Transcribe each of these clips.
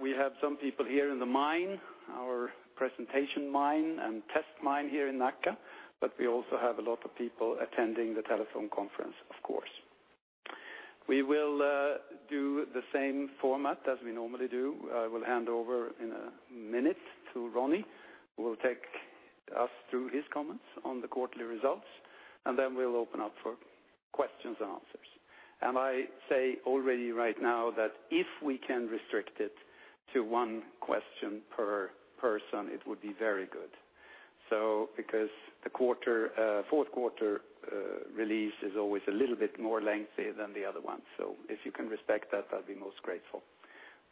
We have some people here in the mine, our presentation mine and test mine here in Nacka, but we also have a lot of people attending the telephone conference, of course. We will do the same format as we normally do. I will hand over in a minute to Ronnie, who will take us through his comments on the quarterly results, then we'll open up for questions and answers. I say already right now that if we can restrict it to one question per person, it would be very good. The fourth quarter release is always a little bit more lengthy than the other ones. If you can respect that, I'll be most grateful.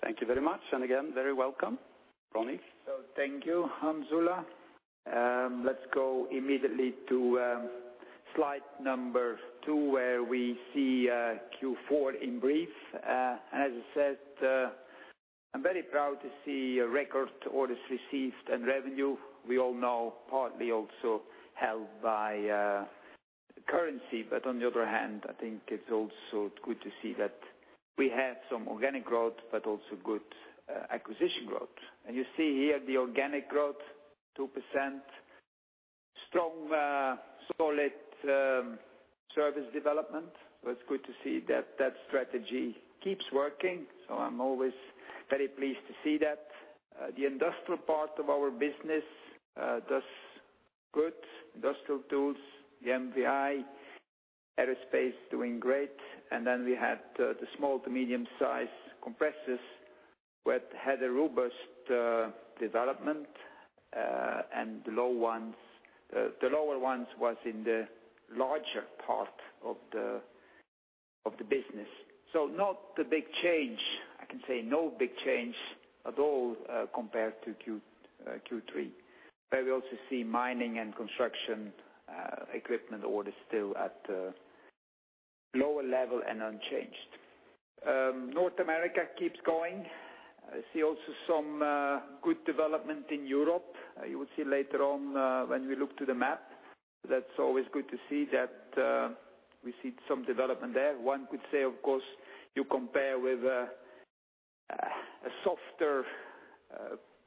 Thank you very much, and again, very welcome. Ronnie? Thank you, Hans Ola. Let's go immediately to slide number two, where we see Q4 in brief. As I said, I'm very proud to see record orders received and revenue. We all know partly also helped by currency, but on the other hand, I think it's also good to see that we have some organic growth but also good acquisition growth. You see here the organic growth, 2%, strong, solid service development. It's good to see that that strategy keeps working. I'm always very pleased to see that. The industrial part of our business does good. Industrial tools, the MVI, aerospace doing great. Then we had the small to medium-size compressors, which had a robust development. The lower ones was in the larger part of the business. Not a big change. I can say no big change at all compared to Q3, where we also see Mining and Construction equipment orders still at a lower level and unchanged. North America keeps going. I see also some good development in Europe. You will see later on when we look to the map, that's always good to see that we see some development there. One could say, of course, you compare with a softer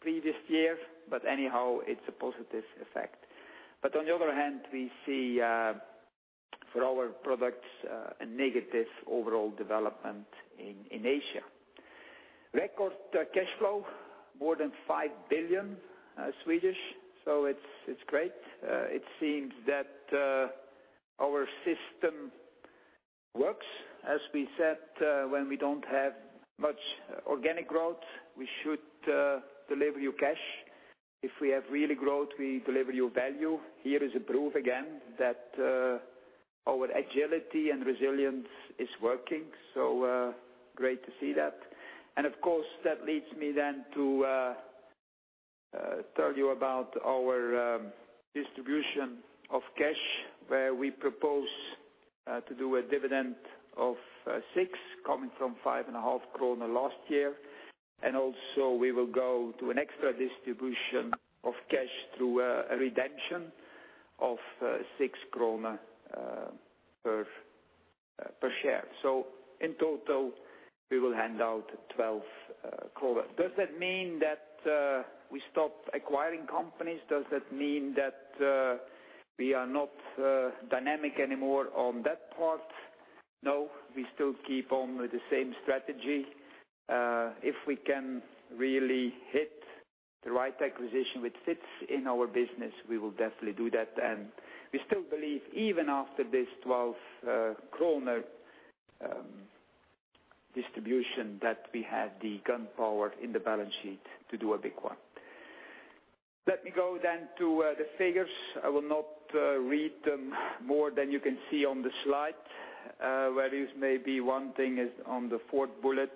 previous year, but anyhow, it's a positive effect. On the other hand, we see for our products, a negative overall development in Asia. Record cash flow, more than 5 billion, it's great. It seems that our system works. As we said, when we don't have much organic growth, we should deliver you cash. If we have really growth, we deliver you value. Here is a proof again that our agility and resilience is working, great to see that. Of course, that leads me then to tell you about our distribution of cash, where we propose to do a dividend of 6, coming from five and a half SEK last year. Also, we will go to an extra distribution of cash through a redemption of 6 krona per share. In total, we will hand out 12. Does that mean that we stop acquiring companies? Does that mean that we are not dynamic anymore on that part? No, we still keep on with the same strategy. If we can really hit the right acquisition which fits in our business, we will definitely do that. We still believe, even after this 12 kronor distribution, that we have the gunpowder in the balance sheet to do a big one. Let me go to the figures. I will not read them more than you can see on the slide. One thing is on the fourth bullet,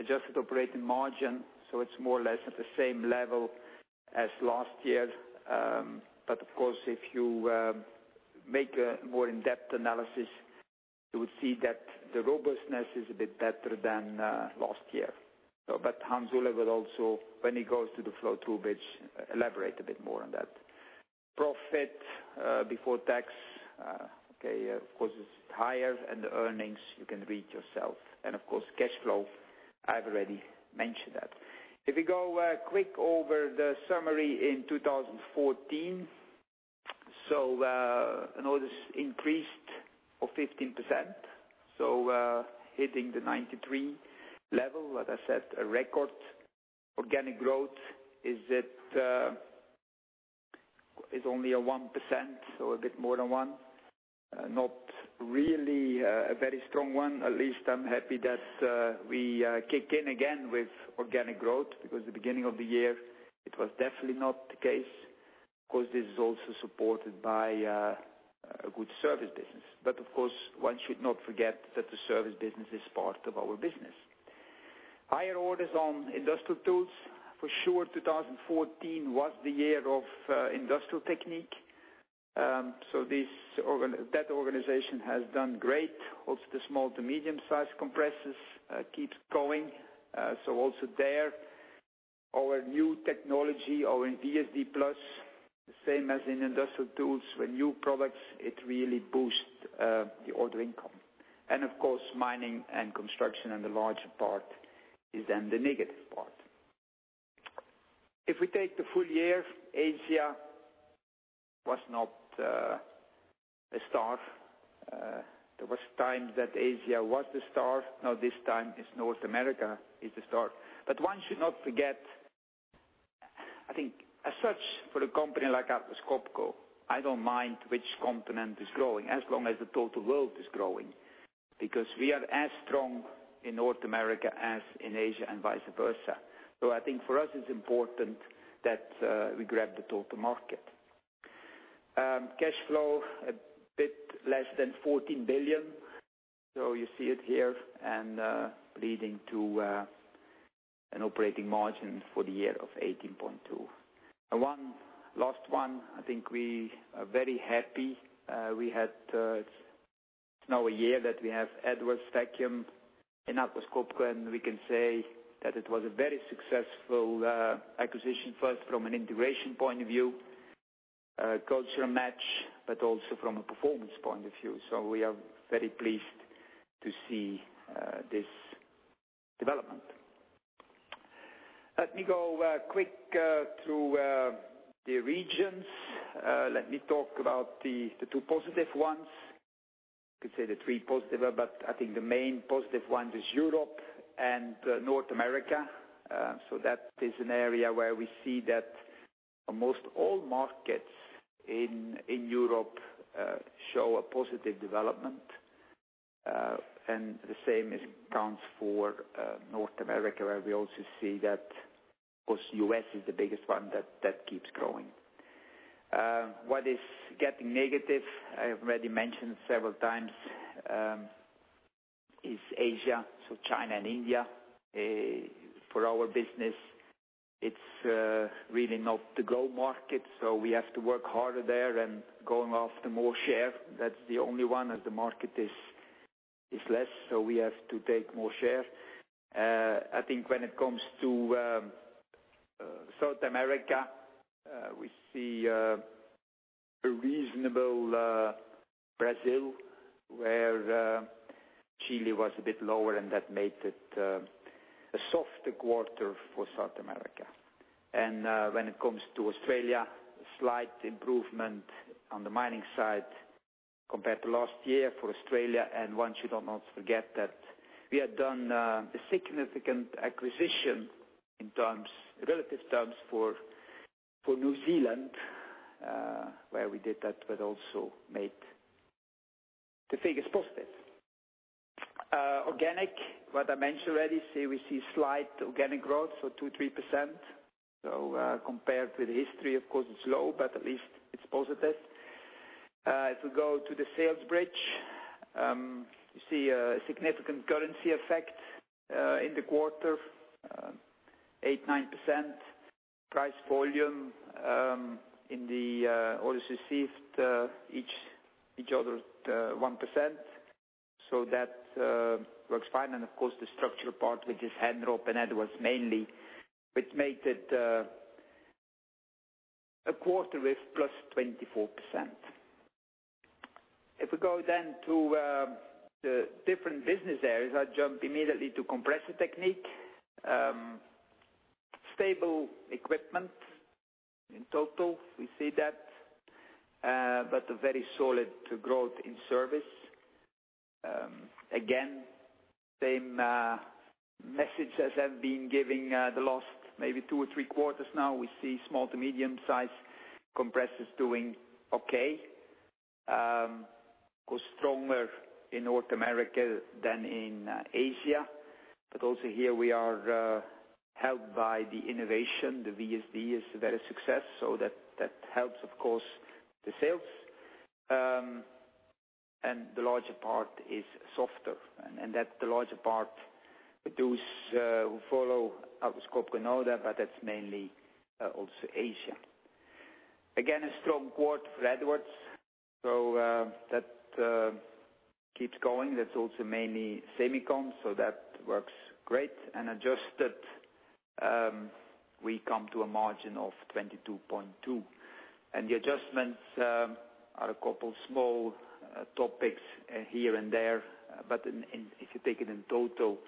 adjusted operating margin, it's more or less at the same level as last year. Of course, if you make a more in-depth analysis, you will see that the robustness is a bit better than last year. Hans Ola will also, when he goes to the flow-through bridge, elaborate a bit more on that. Profit before tax, of course, it's higher, and the earnings you can read yourself. Of course, cash flow, I've already mentioned that. If we go quick over the summary in 2014. Orders increased of 15%, hitting the 93 level. Like I said, a record. Organic growth is only a 1%, a bit more than one. Not really a very strong one. At least I'm happy that we kick in again with organic growth, because the beginning of the year, it was definitely not the case. Of course, this is also supported by a good service business. Of course, one should not forget that the service business is part of our business. Higher orders on industrial tools. For sure, 2014 was the year of Industrial Technique. That organization has done great. Also, the small-to-medium-size compressors keeps growing. Also there, our new technology, our VSD+, the same as in industrial tools. With new products, it really boosts the order income. Of course, mining and construction, and the larger part is then the negative part. If we take the full year, Asia was not a star. There was a time that Asia was the star. This time it's North America is the star. One should not forget, I think as such, for a company like Atlas Copco, I don't mind which continent is growing as long as the total world is growing, because we are as strong in North America as in Asia and vice versa. I think for us it's important that we grab the total market. Cash flow a bit less than 14 billion. You see it here, leading to an operating margin for the year of 18.2%. Last one, I think, we are very happy. It's now a year that we have Edwards Vacuum in Atlas Copco. We can say that it was a very successful acquisition, first from an integration point of view, culture match, also from a performance point of view. We are very pleased to see this development. Let me go quick through the regions. Let me talk about the two positive ones. You could say the three positive, I think the main positive ones is Europe and North America. That is an area where we see that almost all markets in Europe show a positive development. The same accounts for North America, where we also see that, of course, U.S. is the biggest one that keeps growing. What is getting negative, I have already mentioned several times, is Asia. China and India for our business, it's really not the go market. We have to work harder there and going after more share. That's the only one. As the market is less, we have to take more share. When it comes to South America, we see a reasonable Brazil, where Chile was a bit lower and that made it a softer quarter for South America. When it comes to Australia, slight improvement on the mining side compared to last year for Australia. One should not forget that we had done a significant acquisition in relative terms for New Zealand where we did that, but also made the figures positive. Organic, what I mentioned already, we see slight organic growth, 2%-3%. Compared with history, of course it's low, but at least it's positive. We go to the sales bridge, you see a significant currency effect in the quarter 8%-9%. Price volume in the orders received each other 1%. That works fine. Of course, the structural part, which is Henrob and Edwards mainly, which made it a quarter with +24%. We go to the different business areas, I jump immediately to Compressor Technique. Stable equipment in total, we see that, but a very solid growth in service. Again, same message as I've been giving the last maybe two or three quarters now. We see small to medium size compressors doing okay. Of course, stronger in North America than in Asia. But also here we are helped by the innovation. The VSD is a better success. That helps, of course, the sales. The larger part is softer. That the larger part, those who follow Atlas Copco know that, but that's mainly also Asia. Again, a strong quarter for Edwards, that keeps going. That's also mainly semicon, that works great. Adjusted, we come to a margin of 22.2% and the adjustments are a couple small topics here and there. But if you take it in total,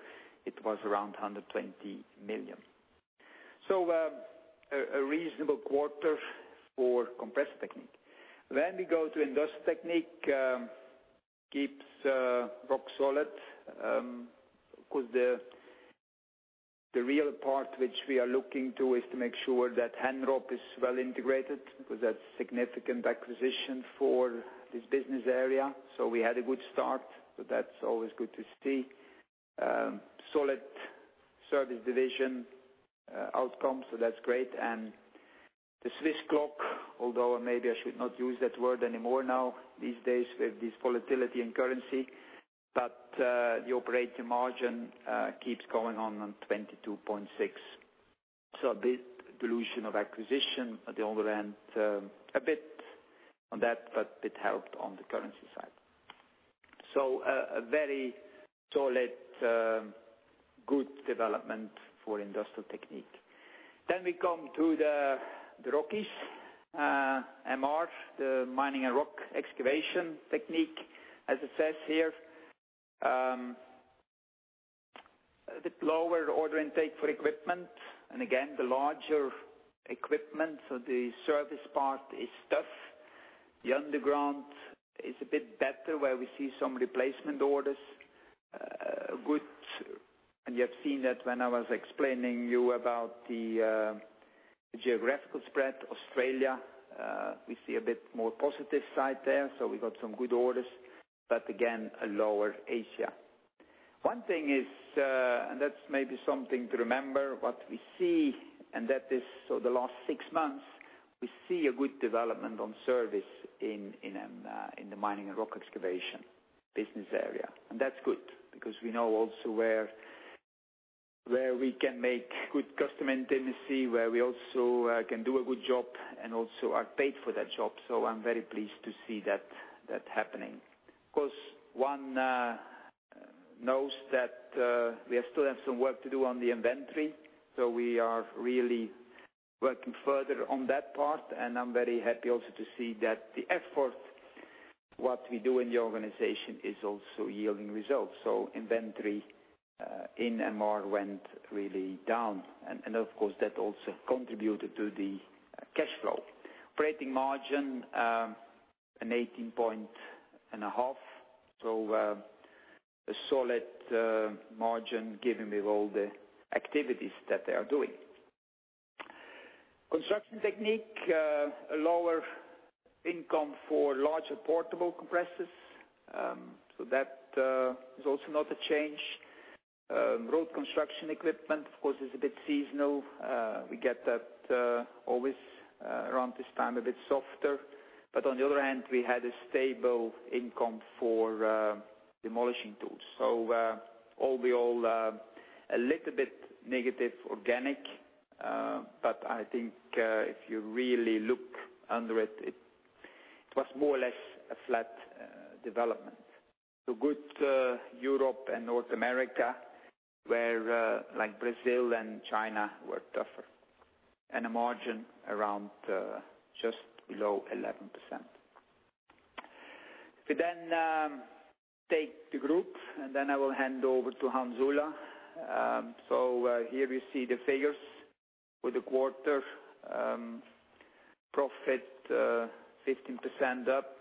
it was around 120 million. A reasonable quarter for Compressor Technique. We go to Industrial Technique. Keeps rock solid. Of course, the real part which we are looking to is to make sure that Henrob is well integrated because that's significant acquisition for this business area. We had a good start, that's always good to see. Solid service division outcome, that's great. The Swiss clock, although maybe I should not use that word anymore now these days with this volatility and currency, but the operating margin keeps going on 22.6%. A bit dilution of acquisition at the other end, a bit on that, but it helped on the currency side. A very solid, good development for Industrial Technique. We come to the ROCE, MR, the Mining and Rock Excavation Technique, as it says here. A bit lower order intake for equipment, and again, the larger equipment. The service part is tough. The underground is a bit better, where we see some replacement orders. Good. You have seen that when I was explaining you about the geographical spread. Australia, we see a bit more positive side there. We got some good orders. Again, lower Asia. One thing is, that's maybe something to remember, what we see, that is the last 6 months, we see a good development on service in the Mining and Rock Excavation Technique business area. That's good, because we know also where we can make good customer intimacy, where we also can do a good job and also are paid for that job. I'm very pleased to see that happening. Of course, one knows that we still have some work to do on the inventory. We are really working further on that part. I'm very happy also to see that the effort, what we do in the organization, is also yielding results. Inventory in MR went really down. Of course, that also contributed to the cash flow. Operating margin, an 18.5%. A solid margin given with all the activities that they are doing. Construction Technique, a lower income for larger portable compressors. That is also not a change. Road construction equipment, of course, is a bit seasonal. We get that always around this time, a bit softer. On the other hand, we had a stable income for demolishing tools. All in all, a little bit negative organic. I think, if you really look under it was more or less a flat development. Good Europe and North America, where Brazil and China were tougher. A margin around just below 11%. If we take the group, I will hand over to Hans Ola. Here we see the figures for the quarter. Profit, 15% up.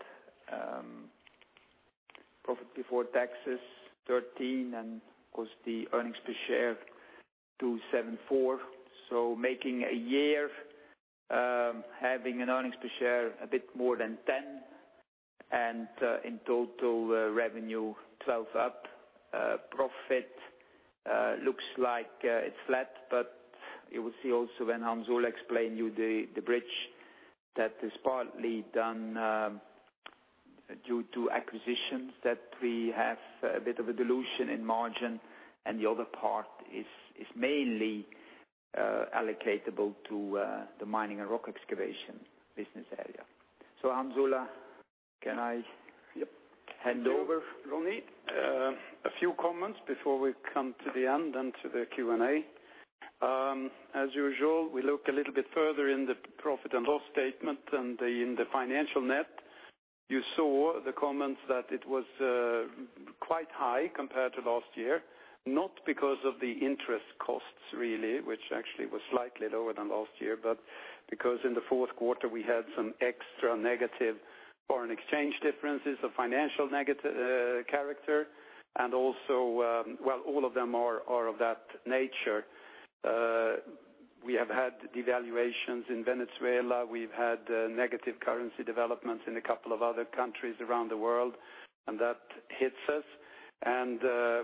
Profit before taxes, 13%. Of course, the earnings per share, 2.74. Making a year, having an earnings per share a bit more than 10. In total revenue, 12% up. Profit looks like it's flat, but you will see also when Hans Ola explain you the bridge, that is partly done due to acquisitions, that we have a bit of a dilution in margin, and the other part is mainly allocatable to the Mining and Rock Excavation Technique business area. Hans Ola, can I hand over? Thank you, Ronnie. A few comments before we come to the end and to the Q&A. As usual, we look a little bit further in the profit and loss statement. In the financial net, you saw the comments that it was quite high compared to last year. Not because of the interest costs really, which actually was slightly lower than last year, but because in the fourth quarter we had some extra negative foreign exchange differences of financial character. All of them are of that nature. We have had devaluations in Venezuela. We've had negative currency developments in a couple of other countries around the world, and that hits us.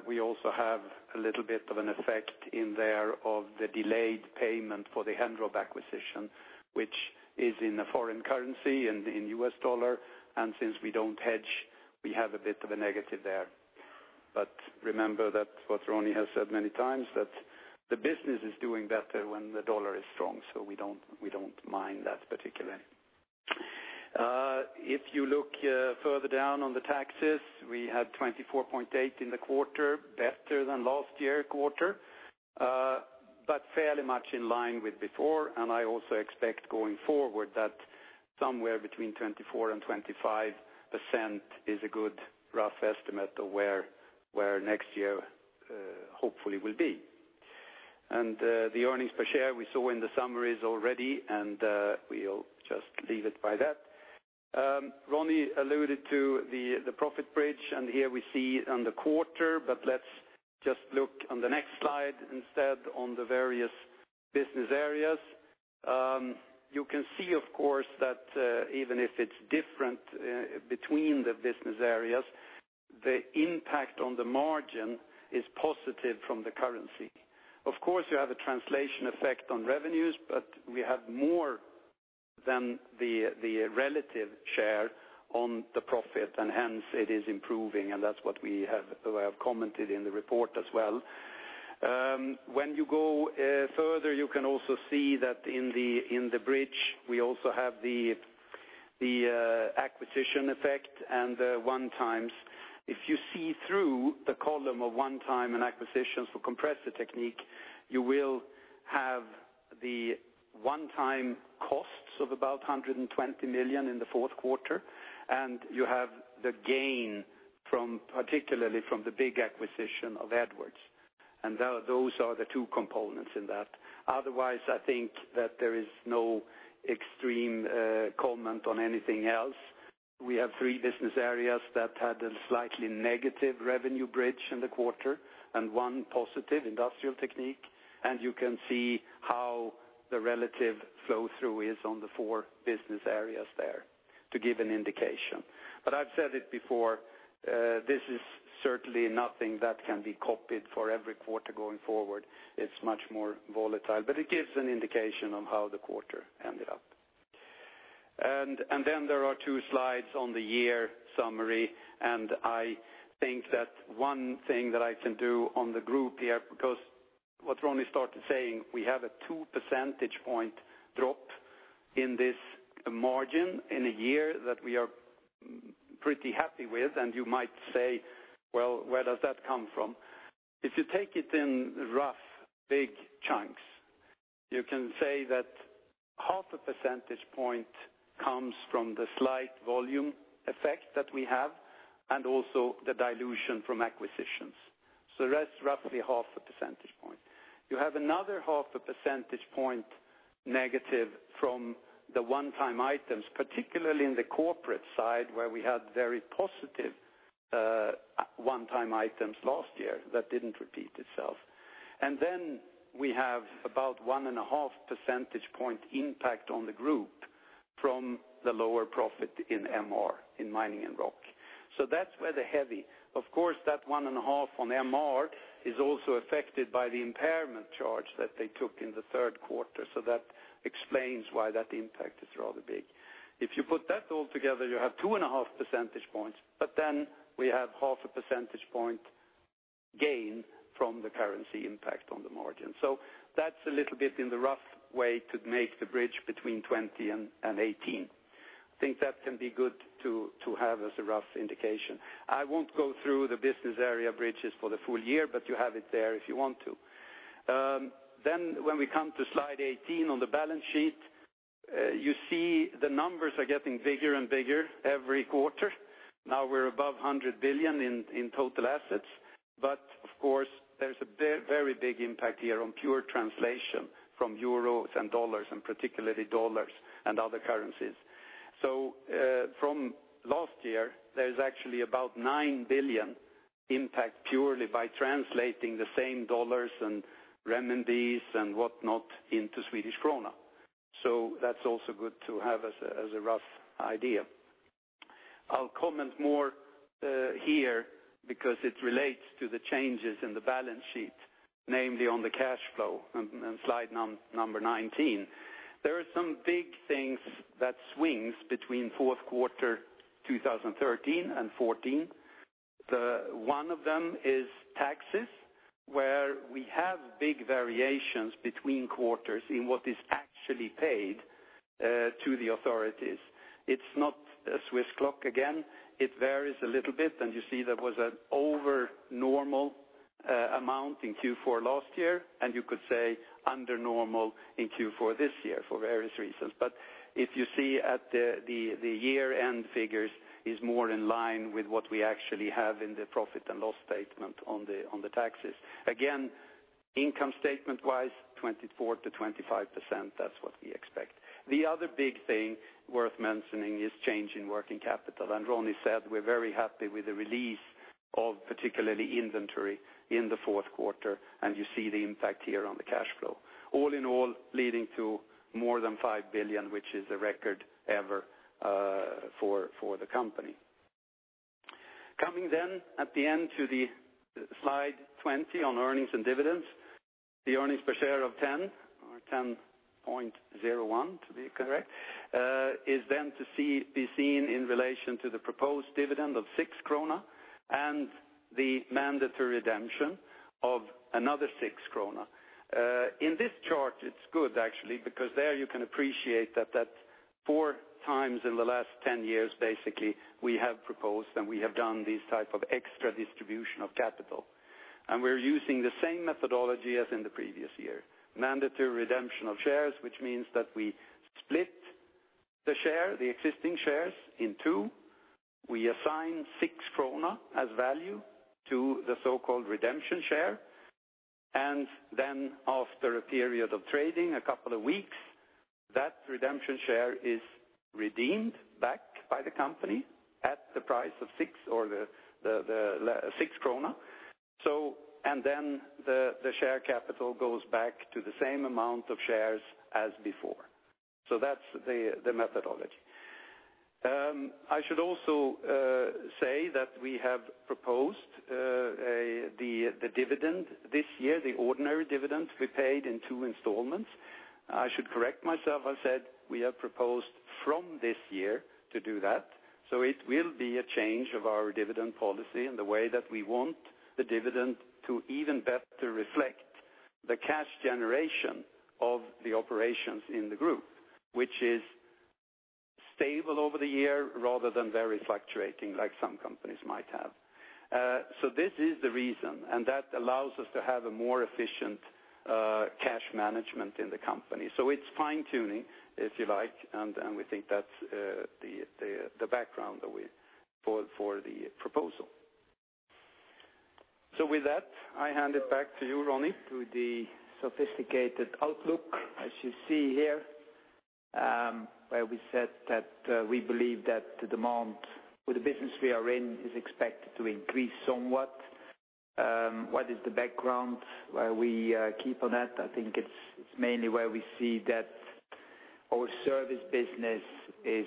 We also have a little bit of an effect in there of the delayed payment for the Henrob acquisition, which is in a foreign currency and in U.S. dollar. Since we don't hedge, we have a bit of a negative there. Remember what Ronnie has said many times, that the business is doing better when the dollar is strong. We don't mind that particularly. If you look further down on the taxes, we had 24.8% in the quarter, better than last year quarter, but fairly much in line with before. I also expect going forward that somewhere between 24% and 25% is a good rough estimate of where next year hopefully will be. The earnings per share we saw in the summaries already, and we'll just leave it by that. Ronnie alluded to the profit bridge, and here we see on the quarter. Let's just look on the next slide instead, on the various business areas. You can see, of course, that even if it's different between the business areas, the impact on the margin is positive from the currency. Of course, you have a translation effect on revenues, but we have more than the relative share on the profit, and hence it is improving, and that's what we have commented in the report as well. When you go further, you can also see that in the bridge, we also have the acquisition effect and the one-times. If you see through the column of one time and acquisitions for Compressor Technique, you will have the one-time costs of about 120 million in the fourth quarter, and you have the gain, particularly from the big acquisition of Edwards. Those are the two components in that. Otherwise, I think that there is no extreme comment on anything else. We have three business areas that had a slightly negative revenue bridge in the quarter and one positive, Industrial Technique, and you can see how the relative flow-through is on the four business areas there to give an indication. I've said it before, this is certainly nothing that can be copied for every quarter going forward. It's much more volatile, but it gives an indication on how the quarter ended up. There are two slides on the year summary, I think that one thing that I can do on the group here, because what Ronnie started saying, we have a two percentage point drop in this margin in a year that we are pretty happy with, you might say, "Well, where does that come from?" If you take it in rough, big chunks, you can say that half a percentage point comes from the slight volume effect that we have and also the dilution from acquisitions. That's roughly half a percentage point. You have another half a percentage point negative from the one-time items, particularly in the corporate side, where we had very positive one-time items last year that didn't repeat itself. We have about one and a half percentage point impact on the group from the lower profit in MR, in Mining and Rock. That's where the heavy-- Of course, that one and a half on MR is also affected by the impairment charge that they took in the third quarter, that explains why that impact is rather big. If you put that all together, you have two and a half percentage points, we have half a percentage point gain from the currency impact on the margin. That's a little bit in the rough way to make the bridge between 20 and 18. I think that can be good to have as a rough indication. I won't go through the business area bridges for the full year, but you have it there if you want to. When we come to slide 18 on the balance sheet, you see the numbers are getting bigger and bigger every quarter. Now we're above 100 billion in total assets. Of course, there's a very big impact here on pure translation from euros and dollars, and particularly dollars and other currencies. From last year, there's actually about 9 billion impact purely by translating the same dollars and renminbis and whatnot into SEK. That's also good to have as a rough idea. I'll comment more here because it relates to the changes in the balance sheet, namely on the cash flow on slide number 19. There are some big things that swings between fourth quarter 2013 and 2014. One of them is taxes, where we have big variations between quarters in what is actually paid to the authorities. It's not a Swiss clock, again. It varies a little bit. You see there was an over-normal amount in Q4 last year, you could say under normal in Q4 this year for various reasons. If you see at the year-end figures is more in line with what we actually have in the profit and loss statement on the taxes. Income statement-wise, 24%-25%, that's what we expect. The other big thing worth mentioning is change in working capital. Ronnie said we're very happy with the release of particularly inventory in the fourth quarter. You see the impact here on the cash flow. All in all, leading to more than 5 billion, which is a record ever for the company. Coming at the end to the slide 20 on earnings and dividends. The earnings per share of 10 or 10.01, to be correct, is to be seen in relation to the proposed dividend of 6 krona and the mandatory redemption of another 6 krona. In this chart, it's good actually, because there you can appreciate that four times in the last 10 years, basically, we have proposed and we have done these type of extra distribution of capital. We're using the same methodology as in the previous year, mandatory redemption of shares, which means that we split the existing shares in two. We assign 6 krona as value to the so-called redemption share. After a period of trading, a couple of weeks, that redemption share is redeemed back by the company at the price of 6. The share capital goes back to the same amount of shares as before. That's the methodology. I should also say that we have proposed the dividend this year, the ordinary dividends we paid in two installments. I should correct myself. I said we have proposed from this year to do that, so it will be a change of our dividend policy and the way that we want the dividend to even better reflect the cash generation of the operations in the group, which is stable over the year rather than very fluctuating like some companies might have. This is the reason, and that allows us to have a more efficient cash management in the company. It is fine-tuning, if you like, and we think that is the background for the proposal. With that, I hand it back to you, Ronnie. To the sophisticated outlook, as you see here, where we said that we believe that the demand for the business we are in is expected to increase somewhat. What is the background where we keep on that? I think it is mainly where we see that our service business is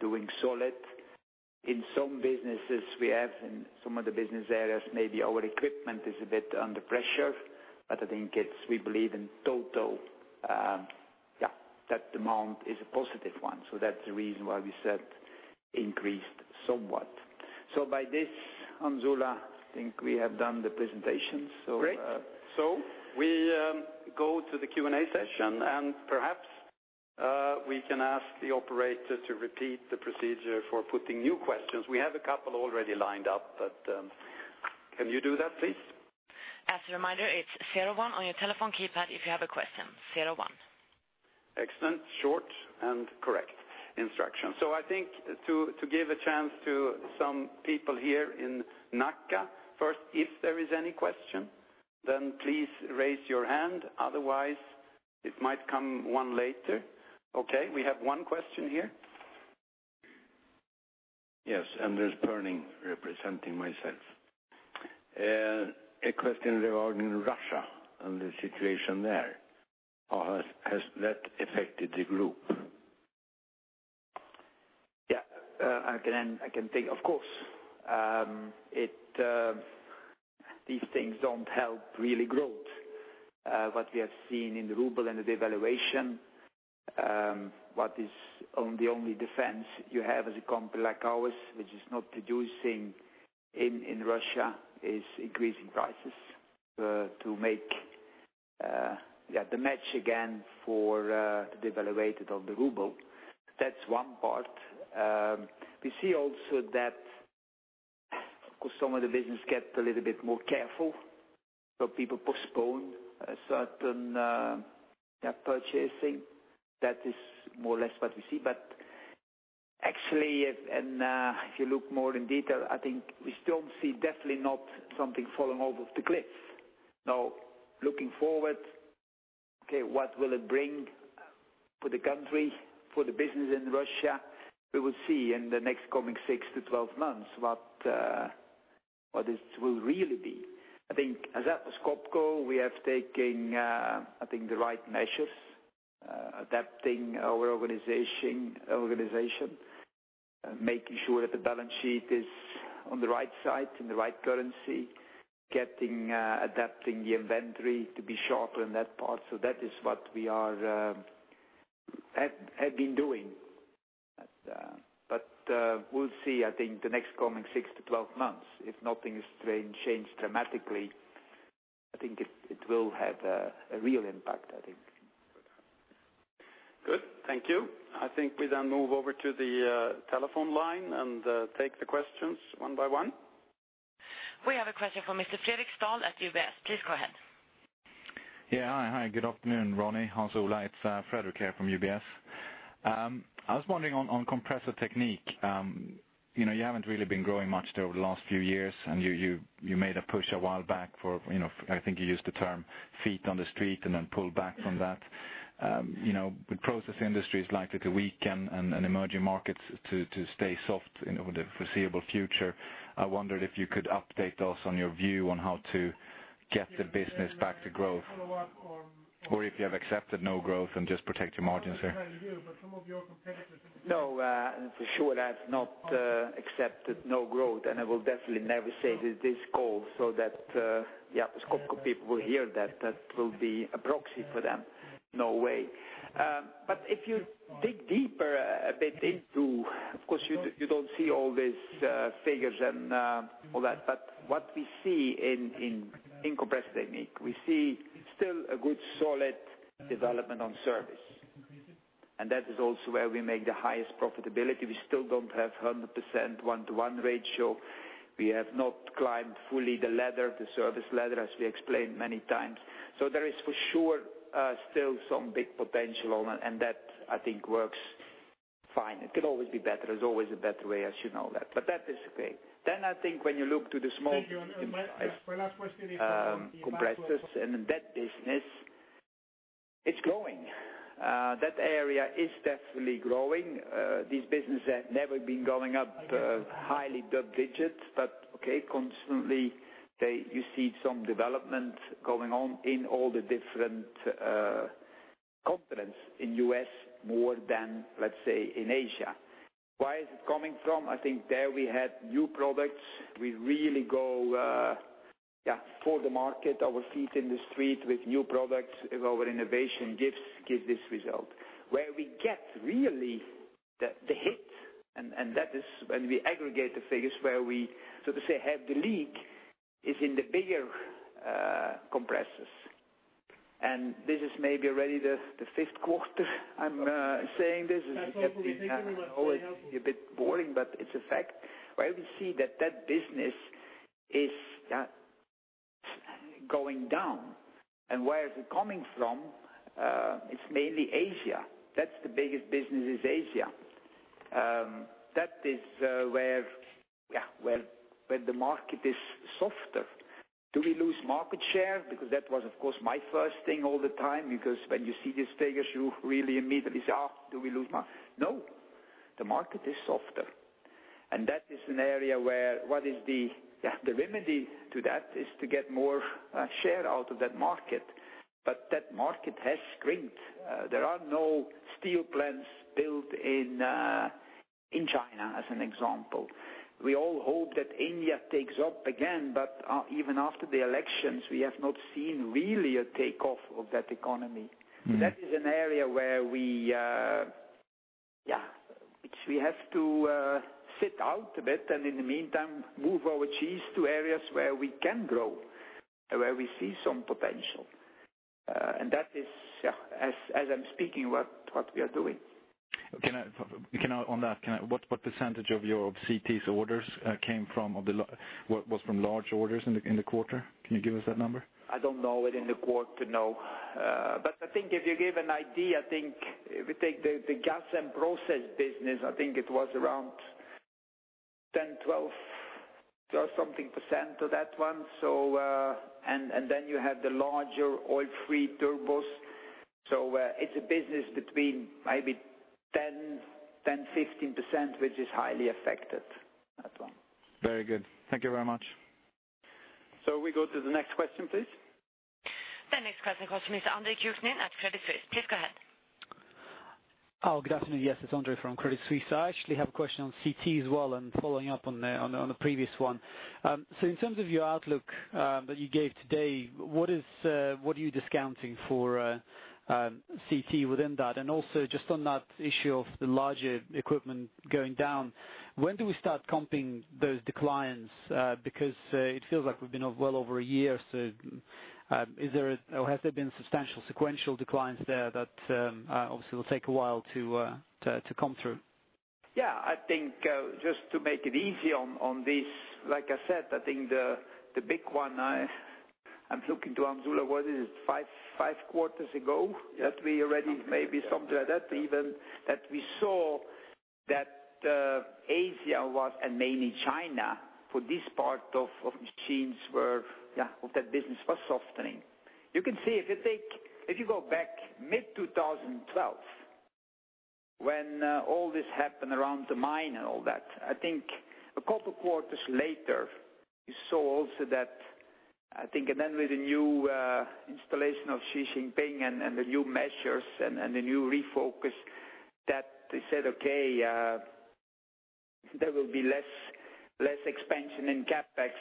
doing solid. In some businesses we have, in some of the business areas, maybe our equipment is a bit under pressure, but I think we believe in total that demand is a positive one. That is the reason why we said increased somewhat. By this, Hans Ola, I think we have done the presentation. Great. We go to the Q&A session, and perhaps we can ask the operator to repeat the procedure for putting new questions. We have a couple already lined up, but can you do that, please? As a reminder, it is 01 on your telephone keypad if you have a question. 01. Excellent, short, and correct instruction. I think to give a chance to some people here in Nacka first, if there is any question, then please raise your hand. Otherwise, it might come one later. Okay, we have one question here. Yes, Anders Berning representing myself. A question regarding Russia and the situation there. How has that affected the group? Yeah. I can take. Of course. These things don't help really growth. What we have seen in the ruble and the devaluation, what is the only defense you have as a company like ours, which is not producing in Russia, is increasing prices, to make the match again for the devaluation of the ruble. That's one part. We see also that, of course, some of the business get a little bit more careful. People postpone certain purchasing. That is more or less what we see. Actually, and if you look more in detail, I think we still see definitely not something falling off of the cliff. Now, looking forward, okay, what will it bring for the country, for the business in Russia? We will see in the next coming six to 12 months what this will really be. I think as Atlas Copco, we are taking, I think the right measures, adapting our organization, making sure that the balance sheet is on the right side, in the right currency, adapting the inventory to be shorter in that part. That is what we have been doing. We'll see, I think, the next coming six to 12 months, if nothing is changed dramatically, I think it will have a real impact, I think. Good. Thank you. I think we then move over to the telephone line and take the questions one by one. We have a question from Mr. Fredric Stahl at UBS. Please go ahead. Yeah. Hi, good afternoon, Ronnie, Hans Ola. It's Fredric here from UBS. I was wondering on Compressor Technique. You haven't really been growing much there over the last few years, and you made a push a while back for, I think you used the term feet on the street and then pulled back from that. With process industries likely to weaken and emerging markets to stay soft in the foreseeable future, I wondered if you could update us on your view on how to get the business back to growth. If you have accepted no growth and just protect your margins there. No, for sure I've not accepted no growth, I will definitely never say to this call, that the Atlas Copco people will hear that. That will be a proxy for them. No way. If you dig deeper a bit into, of course, you don't see all these figures and all that, what we see in Compressor Technique, we see still a good solid development on service. That is also where we make the highest profitability. We still don't have 100% one-to-one ratio. We have not climbed fully the ladder, the service ladder, as we explained many times. There is for sure still some big potential on it and that I think works fine. It could always be better. There's always a better way, as you know that. That is okay. I think when you look to the small compressors and that business, it's growing. That area is definitely growing. These businesses have never been going up highly double digits, but constantly you see some development going on in all the different continents. In U.S. more than, let's say, in Asia. Where is it coming from? I think there we had new products. We really go for the market, our feet in the street with new products, with our innovation gives this result. Where we get really the hit, and that is when we aggregate the figures where we, so to say, have the leak, is in the bigger compressors. This is maybe already the fifth quarter I'm saying this. That's okay. We take a note. I know it can be a bit boring, but it's a fact, where we see that that business is going down. Where is it coming from? It's mainly Asia. That's the biggest business, is Asia. That is where the market is softer. Do we lose market share? Because that was, of course, my first thing all the time, because when you see these figures, you really immediately say, "Do we lose market?" No. The market is softer. That is an area where the remedy to that is to get more share out of that market. That market has shrinked. There are no steel plants built in China, as an example. We all hope that India takes up again, but even after the elections, we have not seen really a takeoff of that economy. That is an area which we have to sit out a bit, and in the meantime, move our cheese to areas where we can grow, and where we see some potential. That is, as I'm speaking, what we are doing. On that, what % of CT's orders was from large orders in the quarter? Can you give us that number? I don't know it in the quarter, no. I think if you give an idea, I think if you take the gas and process business, I think it was around 10, 12 something % of that one. You have the larger oil-free turbos. It's a business between maybe 10%-15%, which is highly affected. That one. Very good. Thank you very much. We go to the next question, please. The next question comes from Andre Kukhnin at Credit Suisse. Please go ahead. Oh, good afternoon. Yes, it's Andre from Credit Suisse. I actually have a question on CT as well and following up on the previous one. In terms of your outlook that you gave today, what are you discounting for CT within that? Also just on that issue of the larger equipment going down, when do we start comping those declines? It feels like we've been well over a year or so. Has there been substantial sequential declines there that obviously will take a while to come through? Yeah. I think just to make it easy on this, like I said, I think the big one, I'm looking to [Anzula], what is it? Five quarters ago that we already maybe something like that, even that we saw that Asia was, and mainly China, for this part of machines where that business was softening. You can see, if you go back mid-2012, when all this happened around the mine and all that, I think a couple quarters later, you saw also that, I think, and then with the new installation of Xi Jinping and the new measures and the new refocus that they said, "Okay, there will be less expansion in CapEx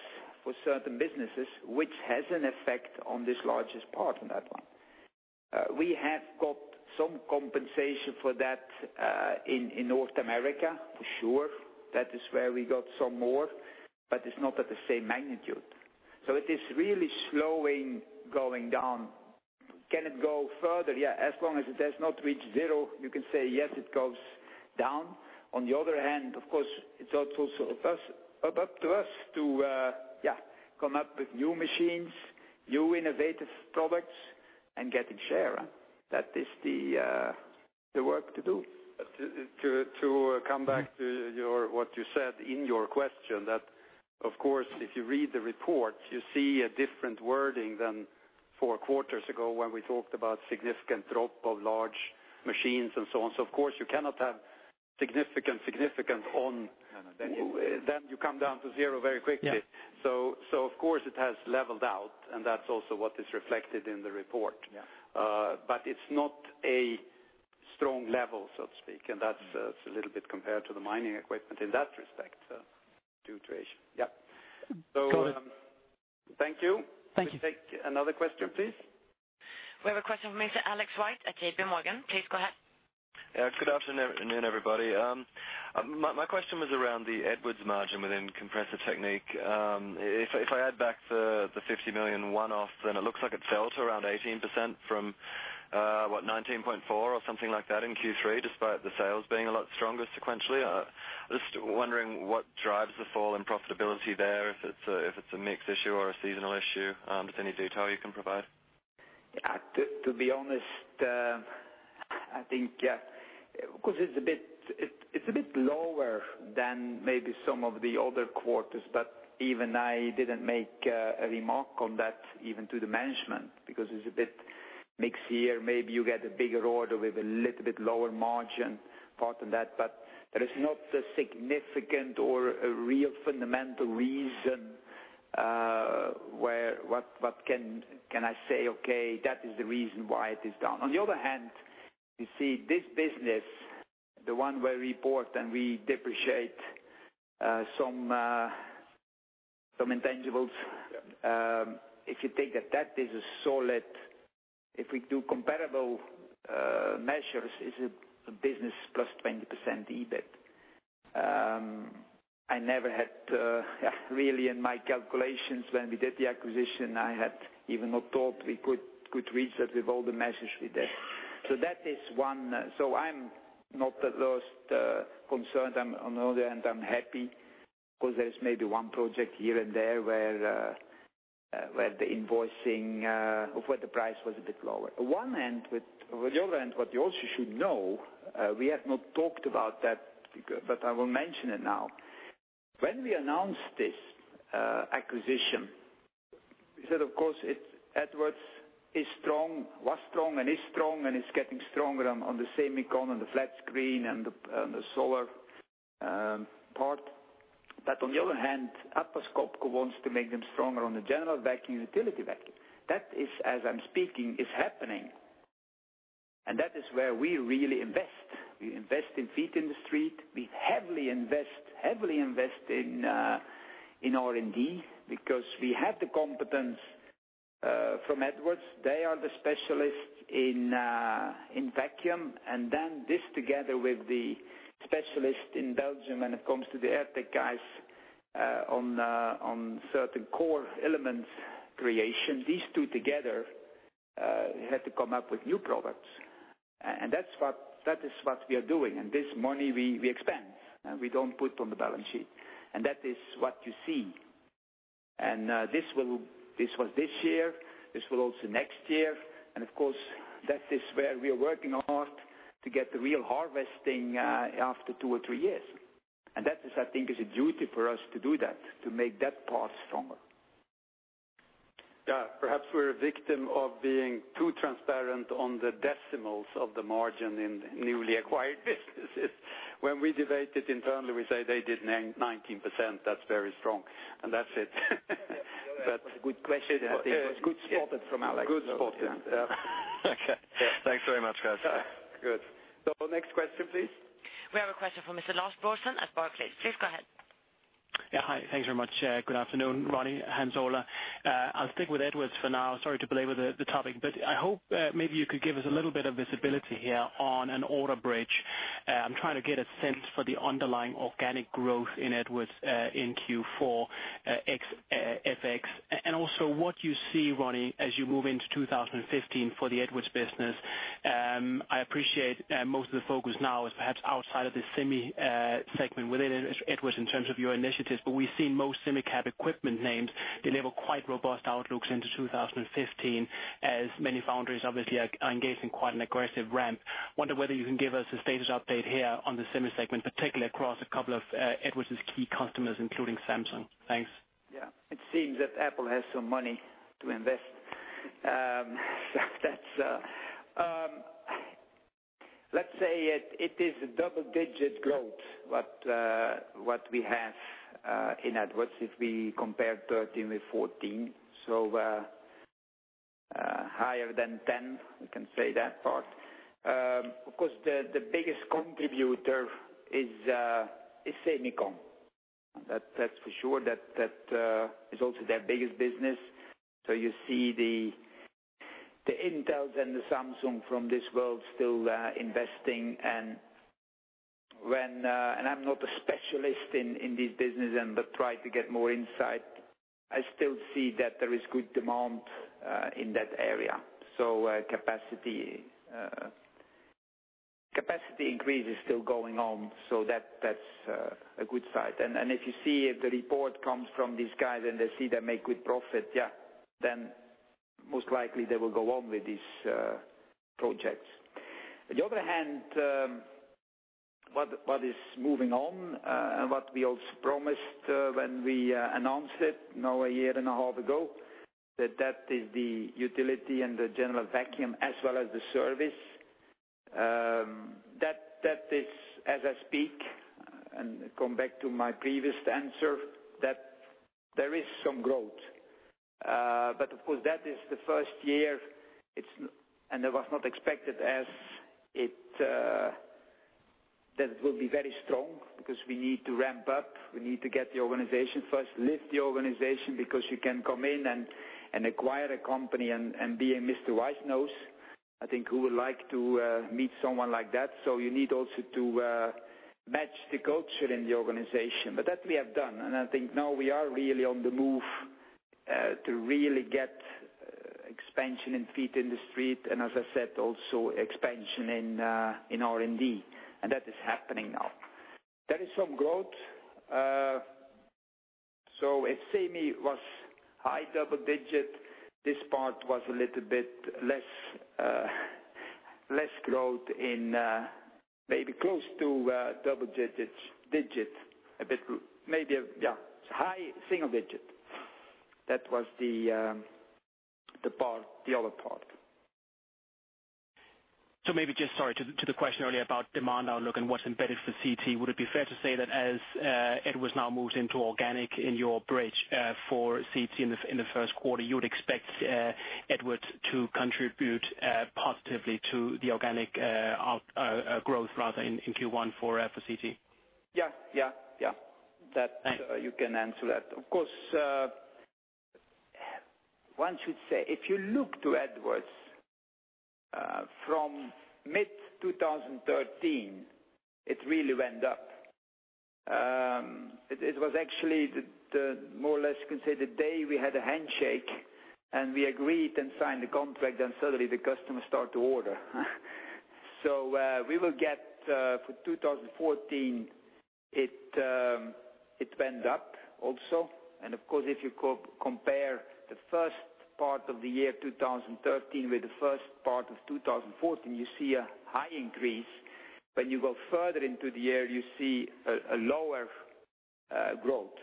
for certain businesses," which has an effect on this largest part on that one. We have got some compensation for that in North America, for sure. That is where we got some more. It's not at the same magnitude. It is really slowing going down. Can it go further? Yeah. As long as it has not reached zero, you can say, yes, it goes down. On the other hand, of course, it's also up to us to come up with new machines, new innovative products, and getting share. That is the work to do. To come back to what you said in your question that, of course, if you read the report, you see a different wording than four quarters ago when we talked about significant drop of large machines and so on. Of course, you cannot have significant. No, no. You come down to zero very quickly. Yeah. Of course, it has leveled out, and that's also what is reflected in the report. Yeah. It's not a strong level, so to speak. That's a little bit compared to the mining equipment in that respect. Due to Asia. Yeah. Got it. Thank you. Thank you. We take another question, please. We have a question from Mr. Alex White at J.P. Morgan. Please go ahead. Good afternoon, everybody. My question was around the Edwards margin within Compressor Technique. If I add back the 50 million one-off, then it looks like it fell to around 18% from, what, 19.4% or something like that in Q3, despite the sales being a lot stronger sequentially. Just wondering what drives the fall in profitability there, if it's a mix issue or a seasonal issue. Just any detail you can provide. To be honest, I think, because it's a bit lower than maybe some of the other quarters, even I didn't make a remark on that, even to the management, because it's a bit mix here. Maybe you get a bigger order with a little bit lower margin part in that. There is not a significant or a real fundamental reason where what can I say, okay, that is the reason why it is done. On the other hand, you see this business The one where we report and we depreciate some intangibles. If you take that, if we do comparable measures, it's a business +20% EBIT. I never had, really in my calculations when we did the acquisition, I had even not thought we could reach that with all the measures we did. I'm not at all concerned. On the other hand, I'm happy because there's maybe one project here and there where the price was a bit lower. On the other hand, what you also should know, we have not talked about that, but I will mention it now. When we announced this acquisition, we said, of course, Edwards was strong and is strong, and it's getting stronger on the semicon and the flat screen and the solar part. On the other hand, Atlas Copco wants to make them stronger on the general vacuum, utility vacuum. That is, as I'm speaking, is happening. That is where we really invest. We invest in feet in the street. We heavily invest in R&D because we have the competence from Edwards. They are the specialists in vacuum, and then this together with the specialist in Belgium when it comes to the Airtech guys on certain core elements creation. These two together had to come up with new products. That is what we are doing, and this money we expend, and we don't put on the balance sheet. That is what you see. This was this year, this will also next year, and of course, that is where we are working hard to get the real harvesting after two or three years. That is, I think, is a duty for us to do that, to make that part stronger. Yeah. Perhaps we're a victim of being too transparent on the decimals of the margin in newly acquired businesses. When we debate it internally, we say they did 19%, that's very strong, and that's it. That was a good question, I think. Good spotted from Alex. Good spotted. Yeah. Okay. Thanks very much, guys. Good. Next question, please. We have a question from Mr. Lars Brorsson at Barclays. Please go ahead. Hi, thanks very much. Good afternoon, Ronnie, Hans Ola. I'll stick with Edwards for now. Sorry to belabor the topic, but I hope maybe you could give us a little bit of visibility here on an order bridge. I'm trying to get a sense for the underlying organic growth in Edwards in Q4 FX, and also what you see, Ronnie, as you move into 2015 for the Edwards business. I appreciate most of the focus now is perhaps outside of the semi segment within Edwards in terms of your initiatives. We've seen most semi-cap equipment names deliver quite robust outlooks into 2015, as many foundries obviously are engaged in quite an aggressive ramp. Wonder whether you can give us a status update here on the semi segment, particularly across a couple of Edwards' key customers, including Samsung. Thanks. It seems that Apple has some money to invest. Let's say it is a double-digit growth, what we have in Edwards if we compare 2013 with 2014. Higher than 10, we can say that part. Of course, the biggest contributor is semicon. That's for sure. That is also their biggest business. You see the Intel and the Samsung from this world still investing, and I'm not a specialist in this business but try to get more insight. I still see that there is good demand in that area. Capacity increase is still going on, so that's a good side. If you see if the report comes from these guys and they see they make good profit, yeah, most likely they will go on with these projects. On the other hand, what is moving on, what we also promised when we announced it now a year and a half ago, that is the utility and the general vacuum as well as the service. That is, as I speak, and come back to my previous answer, that there is some growth. Of course, that is the first year, and it was not expected as that it will be very strong because we need to ramp up. We need to get the organization first, lift the organization, because you can come in and acquire a company and be a Mr. Wise Knows. I think who would like to meet someone like that? You need also to match the culture in the organization. That we have done. I think now we are really on the move to really get expansion and feet in the street, and as I said, also expansion in R&D, and that is happening now. There is some growth. If semicon was high double digit, this part was a little bit less growth in maybe close to double digit. Maybe, yeah, high single digit. That was the other part. Maybe just, sorry, to the question earlier about demand outlook and what's embedded for CT. Would it be fair to say that as Edwards now moves into organic in your bridge for CT in the first quarter, you would expect Edwards to contribute positively to the organic growth rather in Q1 for CT? Yeah. That you can answer that. Of course, one should say, if you look to Edwards from mid-2013, it really went up. It was actually more or less, you can say, the day we had a handshake, and we agreed and signed the contract, then suddenly the customers start to order. We will get for 2014, it went up also. Of course, if you compare the first part of the year 2013 with the first part of 2014, you see a high increase. When you go further into the year, you see a lower growth.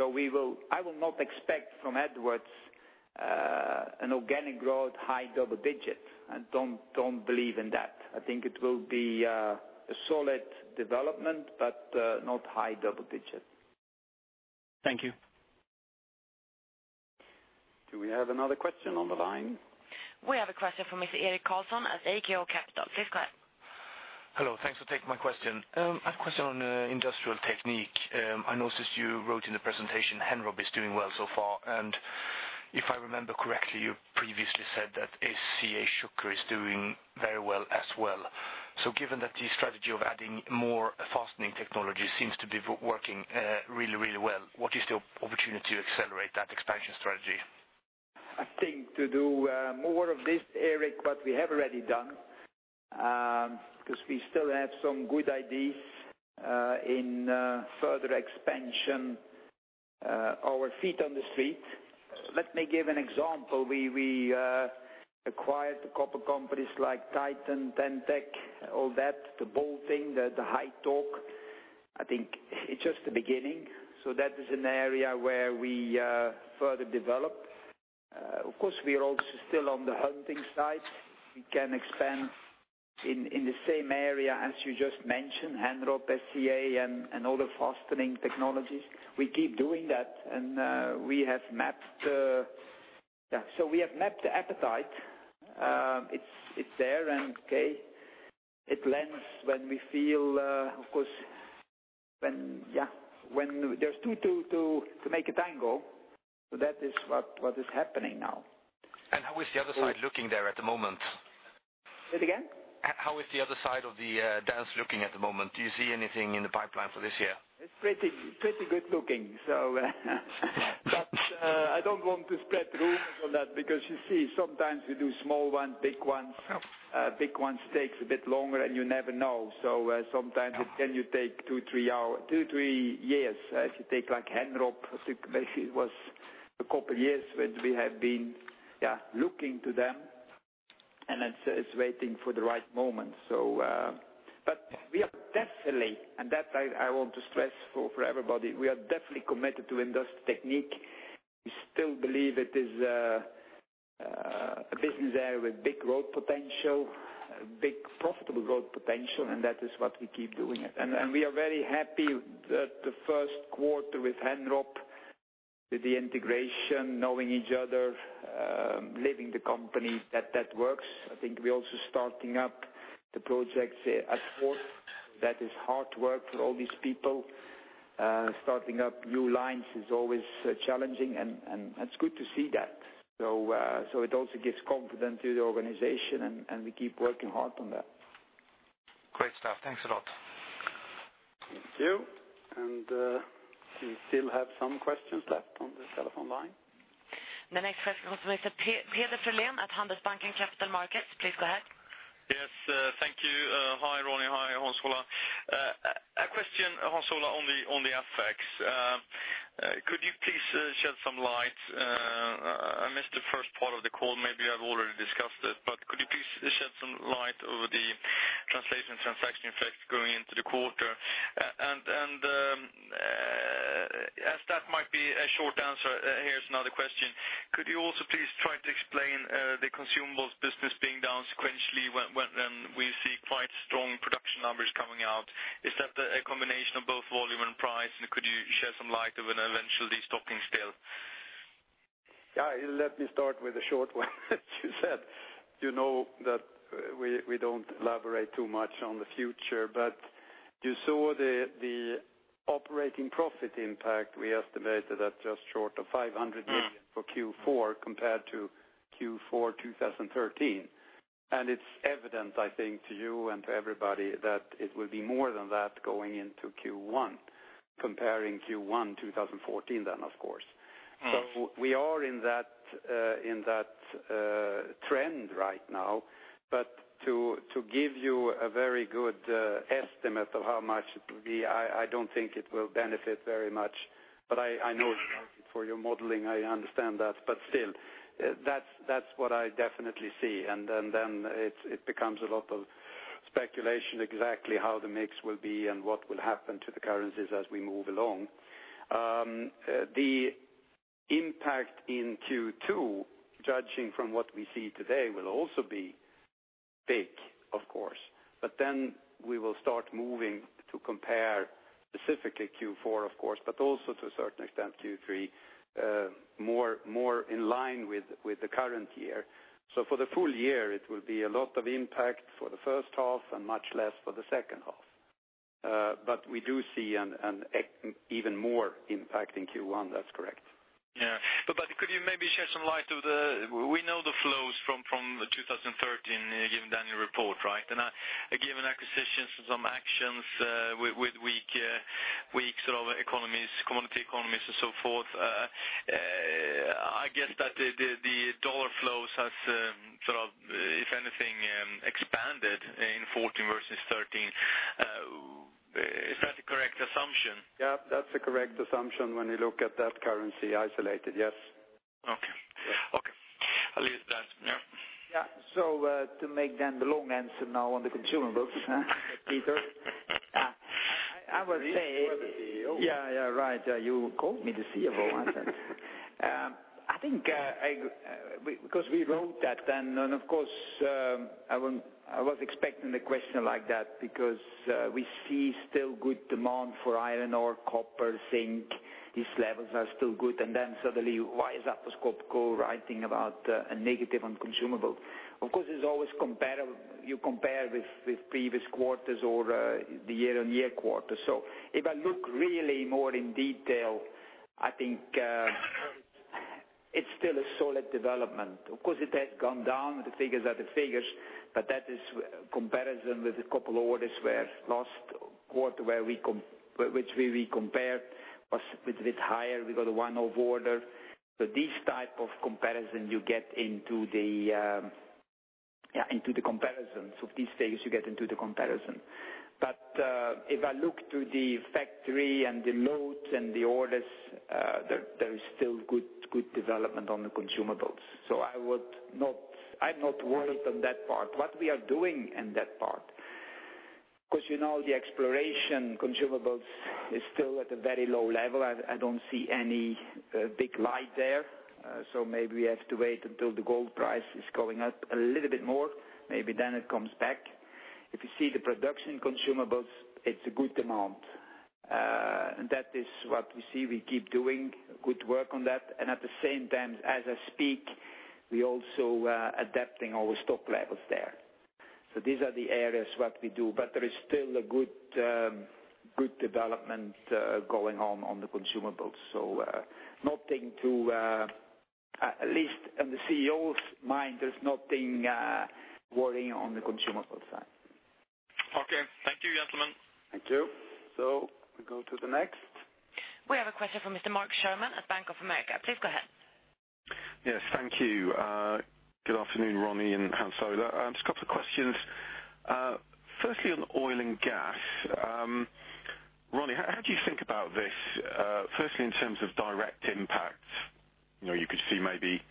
I will not expect from Edwards an organic growth high double digit. I don't believe in that. I think it will be a solid development, but not high double digit. Thank you. Do we have another question on the line? We have a question from Mr. Erik Karlsson at AKO Capital. Please go ahead. Hello. Thanks for taking my question. I have a question on Industrial Technique. I noticed you wrote in the presentation, Henrob is doing well so far. If I remember correctly, you previously said that SCA Schucker is doing very well as well. Given that the strategy of adding more fastening technology seems to be working really well, what is the opportunity to accelerate that expansion strategy? I think to do more of this, Erik, what we have already done, because we still have some good ideas in further expansion our feet on the street. Let me give an example. We acquired a couple companies like Titan, Tentec, all that, the bolting, the high torque. I think it's just the beginning. That is an area where we further develop. Of course, we are also still on the hunting side. We can expand in the same area as you just mentioned, Henrob, SCA, and all the fastening technologies. We keep doing that. We have mapped the appetite. It's there and okay. It lends when we feel, of course, when there's two to make a tango. That is what is happening now. How is the other side looking there at the moment? Say it again. How is the other side of the dance looking at the moment? Do you see anything in the pipeline for this year? It's pretty good looking. I don't want to spread rumors on that because you see, sometimes we do small ones, big ones. Yeah. Big ones takes a bit longer, you never know. Sometimes it can take two, three years. If you take Henrob, it was a couple of years that we have been looking to them, and it's waiting for the right moment. We are definitely, and that I want to stress for everybody, we are definitely committed to Industrial Technique. We still believe it is a business area with big growth potential, big profitable growth potential, and that is what we keep doing it. We are very happy that the first quarter with Henrob, with the integration, knowing each other, leading the company, that that works. I think we're also starting up the projects at port. That is hard work for all these people. Starting up new lines is always challenging, and it's good to see that. It also gives confidence to the organization, and we keep working hard on that. Great stuff. Thanks a lot. Thank you. Do you still have some questions left on the telephone line? The next question comes from Mr. Peder Frölén at Handelsbanken Capital Markets. Please go ahead. Yes, thank you. Hi, Ronnie. Hi, Hans Ola. A question, Hans Ola, on the FX. Could you please shed some light, I missed the first part of the call, maybe you have already discussed it, but could you please shed some light over the translation transaction effect going into the quarter? As that might be a short answer, here's another question. Could you also please try to explain the consumables business being down sequentially when we see quite strong production numbers coming out? Is that a combination of both volume and price, and could you share some light of an eventual de-stocking still? Let me start with the short one as you said. You know that we don't elaborate too much on the future, but you saw the operating profit impact we estimated at just short of 500 million for Q4 compared to Q4 2013. It's evident, I think, to you and to everybody that it will be more than that going into Q1, comparing Q1 2014 then, of course. We are in that trend right now. To give you a very good estimate of how much it will be, I don't think it will benefit very much. I know for your modeling, I understand that, but still, that's what I definitely see. Then it becomes a lot of speculation exactly how the mix will be and what will happen to the currencies as we move along. The impact in Q2, judging from what we see today, will also be big, of course. Then we will start moving to compare specifically Q4, of course, but also to a certain extent, Q3, more in line with the current year. For the full year, it will be a lot of impact for the first half and much less for the second half. We do see an even more impact in Q1. That's correct. Could you maybe shed some light of the flows from 2013, given the annual report, right? Given acquisitions and some actions with weak economies, commodity economies and so forth, I guess that the dollar flows have, if anything, expanded in 2014 versus 2013. Is that the correct assumption? That's a correct assumption when you look at that currency isolated. Yes. I'll use that. To make then the long answer now on the consumable, Peder. You are the CEO. Yeah. Right. You called me the CEO, I said. I think because we wrote that then, of course, I was expecting a question like that because we see still good demand for iron ore, copper, zinc. These levels are still good, and then suddenly, why is Atlas Copco writing about a negative on consumable? Of course, you compare with previous quarters or the year-over-year quarter. If I look really more in detail, I think it's still a solid development. Of course, it has gone down. The figures are the figures, but that is comparison with a couple of orders where last quarter which we compared was a bit higher. We got a one-off order. These type of comparison you get into the comparisons of these stages, you get into the comparison. If I look to the factory and the loads and the orders, there is still good development on the consumables. I'm not worried on that part. What we are doing in that part, because the exploration consumables is still at a very low level. I don't see any big light there. Maybe we have to wait until the gold price is going up a little bit more. Maybe then it comes back. If you see the production consumables, it's a good demand. That is what we see. We keep doing good work on that. At the same time, as I speak, we also adapting our stock levels there. These are the areas what we do, but there is still a good development going on the consumables. Nothing to, at least in the CEO's mind, there's nothing worrying on the consumable side. Okay. Thank you, gentlemen. Thank you. We go to the next. We have a question from Mr. [Mark Sherman] at Bank of America. Please go ahead. Yes. Thank you. Good afternoon, Ronnie and Hans Ola. Just a couple of questions. Firstly, on oil and gas. Ronnie, how do you think about this? Firstly, in terms of direct impact, you could see maybe,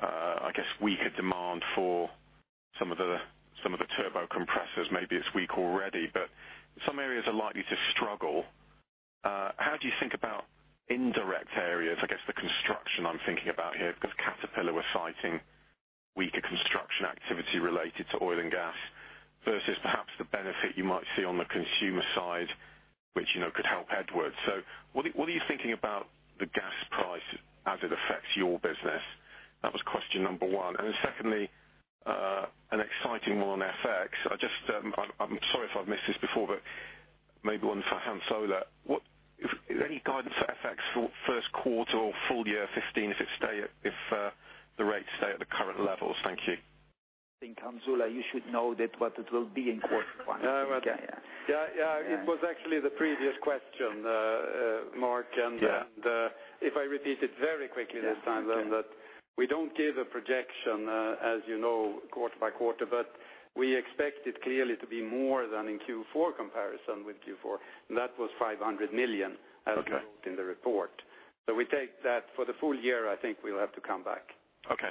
I guess weaker demand for some of the turbo compressors. Maybe it's weak already, but some areas are likely to struggle. How do you think about indirect areas? I guess the construction I'm thinking about here, because Caterpillar were citing weaker construction activity related to oil and gas versus perhaps the benefit you might see on the consumer side, which could help Edwards. What are you thinking about the gas price as it affects your business? That was question number 1. Then secondly, an exciting one on FX. I'm sorry if I've missed this before, but maybe one for Hans Ola. Any guidance for FX for first quarter or full year 2015 if the rates stay at the current levels? Thank you. I think, Hans Ola, you should know that what it will be in quarter one. Yeah. It was actually the previous question, Mark, and if I repeat it very quickly this time then, that we don't give a projection, as you know, quarter by quarter, but we expect it clearly to be more than in Q4 comparison with Q4, and that was 500 million as wrote in the report. We take that. For the full year, I think we'll have to come back. Okay.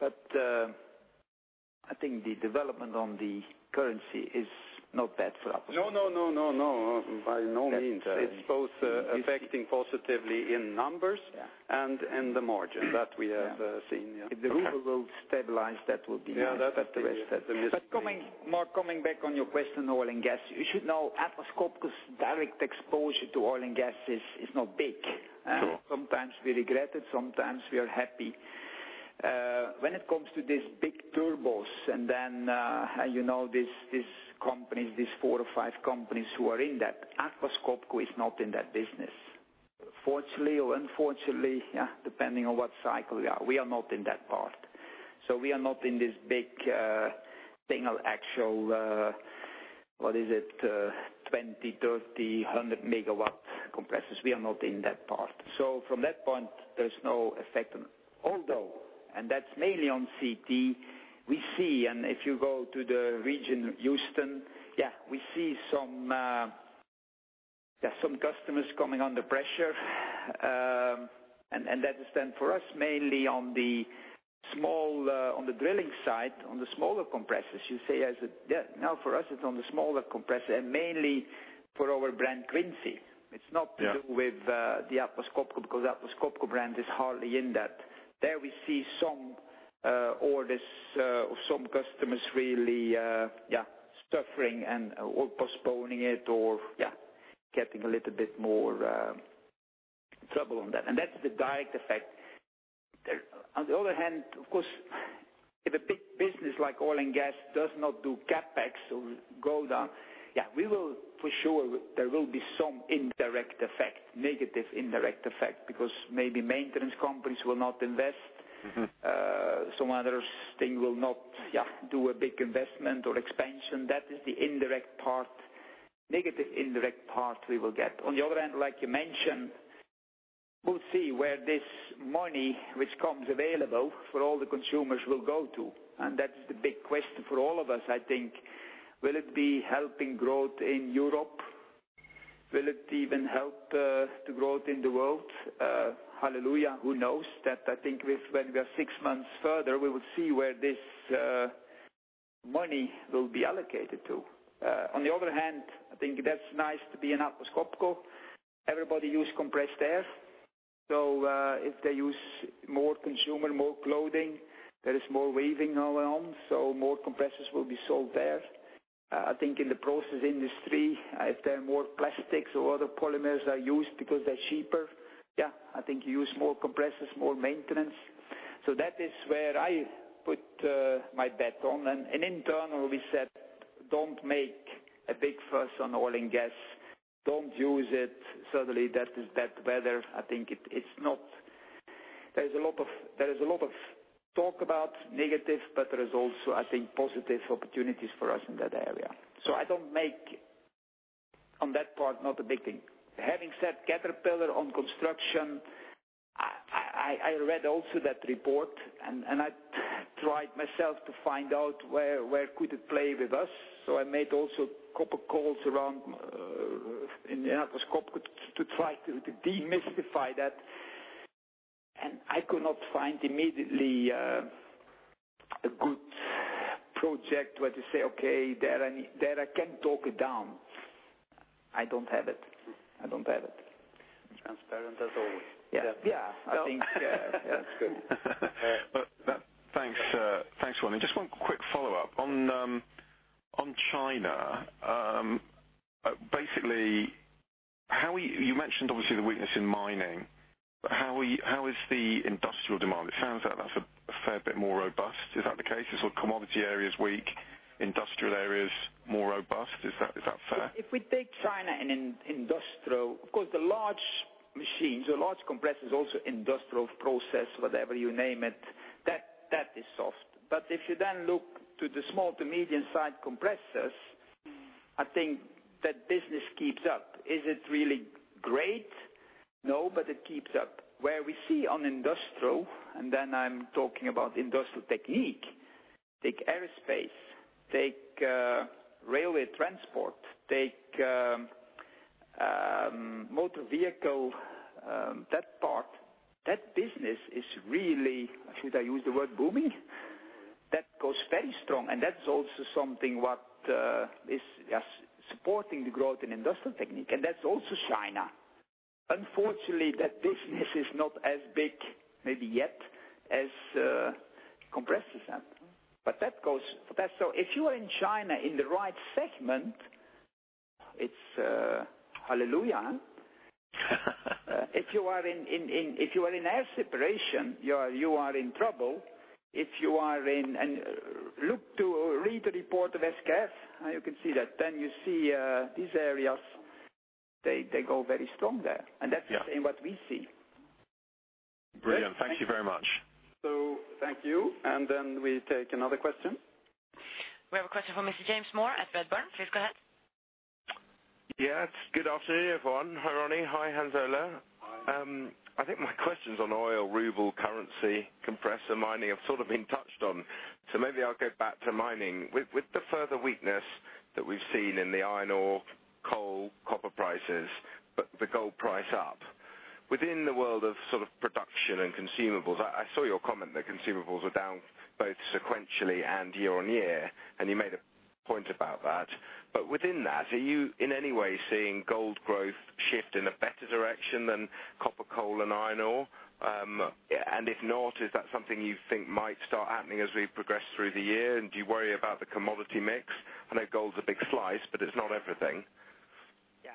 I think the development on the currency is not bad for us. No. By no means. It's both affecting positively in numbers and in the margin that we have seen, yeah. If the ruble will stabilize, that will be interesting. Yeah, that's interesting. Mark, coming back on your question, oil and gas, you should know Atlas Copco's direct exposure to oil and gas is not big. Sure. Sometimes we regret it, sometimes we are happy. When it comes to these big turbos, and then these companies, these 4 or 5 companies who are in that, Atlas Copco is not in that business. Fortunately or unfortunately, depending on what cycle we are, we are not in that part. We are not in this big thing of actual, what is it? 20, 30, 100 megawatt compressors. We are not in that part. From that point, there's no effect on. Although, and that's mainly on CT, we see, and if you go to the region Houston, we see some customers coming under pressure. That is then for us, mainly on the drilling side, on the smaller compressors. Now for us, it's on the smaller compressor and mainly for our brand Quincy. It's not to do with the Atlas Copco, because Atlas Copco brand is hardly in that. There we see some orders of some customers really suffering and/or postponing it or getting a little bit more trouble on that, and that's the direct effect. On the other hand, of course, if a big business like oil and gas does not do CapEx or go down, for sure there will be some negative indirect effect because maybe maintenance companies will not invest. Some other thing will not do a big investment or expansion. That is the negative indirect part we will get. On the other hand, like you mentioned, we'll see where this money, which comes available for all the consumers will go to. And that is the big question for all of us, I think. Will it be helping growth in Europe? Will it even help the growth in the world? Hallelujah, who knows? That I think when we are six months further, we will see where this money will be allocated to. On the other hand, I think that's nice to be in Atlas Copco. Everybody use compressed air. So if they use more consumer, more clothing, there is more weaving going on, so more compressors will be sold there. I think in the process industry, if there are more plastics or other polymers are used because they're cheaper, I think you use more compressors, more maintenance. So that is where I put my bet on. And internally, we said, "Don't make a big fuss on oil and gas. Don't use it." Certainly that is bad weather. I think there is a lot of talk about negative, but there is also, I think, positive opportunities for us in that area. So I don't make, on that part, not a big thing. Having said Caterpillar on construction, I read also that report, and I tried myself to find out where could it play with us. So I made also a couple calls around in Atlas Copco to try to demystify that. And I could not find immediately a good project where to say, "Okay, there I can talk it down." I don't have it. Transparent as always. Yeah. Yeah. I think, yeah. That's good. Thanks, Ronnie. Just one quick follow-up. On China, you mentioned obviously the weakness in mining, but how is the industrial demand? It sounds like that's a fair bit more robust. Is that the case? Is commodity areas weak, industrial areas more robust? Is that fair? If we take China and industrial, of course, the large machines or large compressors, also industrial process, whatever you name it, that is soft. If you then look to the small to medium-sized compressors, I think that business keeps up. Is it really great? No, but it keeps up. We see on industrial, and then I'm talking about Industrial Technique. Take aerospace, take railway transport, take Motor Vehicle, that part, that business is really, should I use the word booming? That goes very strong. That's also something what is supporting the growth in Industrial Technique. That's also China. Unfortunately, that business is not as big, maybe yet, as compressor sale. If you are in China in the right segment, it's hallelujah. If you are in air separation, you are in trouble. If you look to read the report of SKF, you can see that. You see these areas, they go very strong there. Yeah. That's the same what we see. Brilliant. Thank you very much. Thank you. Then we take another question. We have a question from Mr. James Moore at Redburn. Please go ahead. Yes. Good afternoon, everyone. Hi, Ronnie. Hi, Hans Ola. Hi. I think my questions on oil, ruble, currency, compressor, mining have sort of been touched on, maybe I'll go back to mining. With the further weakness that we've seen in the iron ore, coal, copper prices, but the gold price up. Within the world of production and consumables, I saw your comment that consumables were down both sequentially and year-on-year, and you made a point about that. Within that, are you in any way seeing gold growth shift in a better direction than copper, coal, and iron ore? If not, is that something you think might start happening as we progress through the year? Do you worry about the commodity mix? I know gold's a big slice, but it's not everything.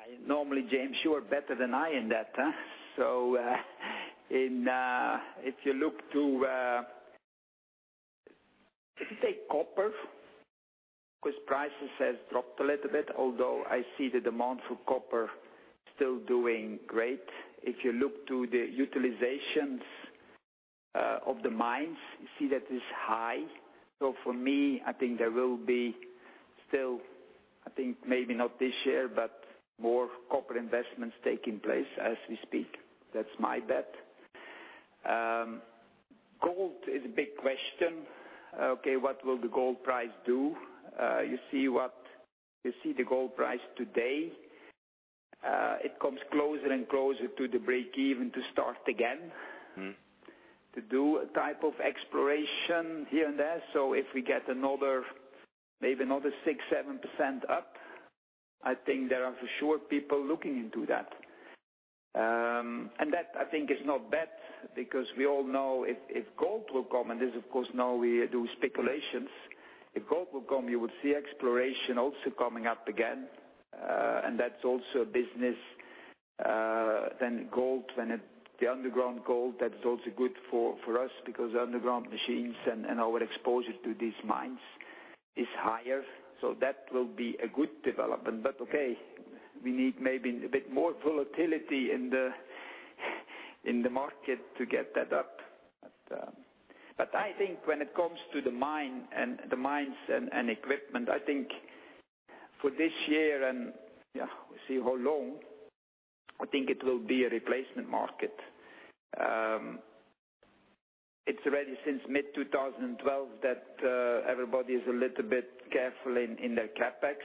Yeah. Normally, James, you are better than I in that. If you take copper, because prices has dropped a little bit, although I see the demand for copper still doing great. If you look to the utilizations of the mines, you see that it's high. For me, I think there will be still, maybe not this year, but more copper investments taking place as we speak. That's my bet. What will the gold price do? You see the gold price today, it comes closer and closer to the break even to start again. To do a type of exploration here and there. If we get maybe another six, 7% up, I think there are for sure people looking into that. That I think is not bad because we all know if gold will come, and this of course now we do speculations If gold will come, you would see exploration also coming up again. That's also a business, the underground gold, that is also good for us because underground machines and our exposure to these mines is higher. That will be a good development. We need maybe a bit more volatility in the market to get that up. I think when it comes to the mines and equipment, I think for this year and we see how long, I think it will be a replacement market. It's already since mid-2012 that everybody is a little bit careful in their CapEx,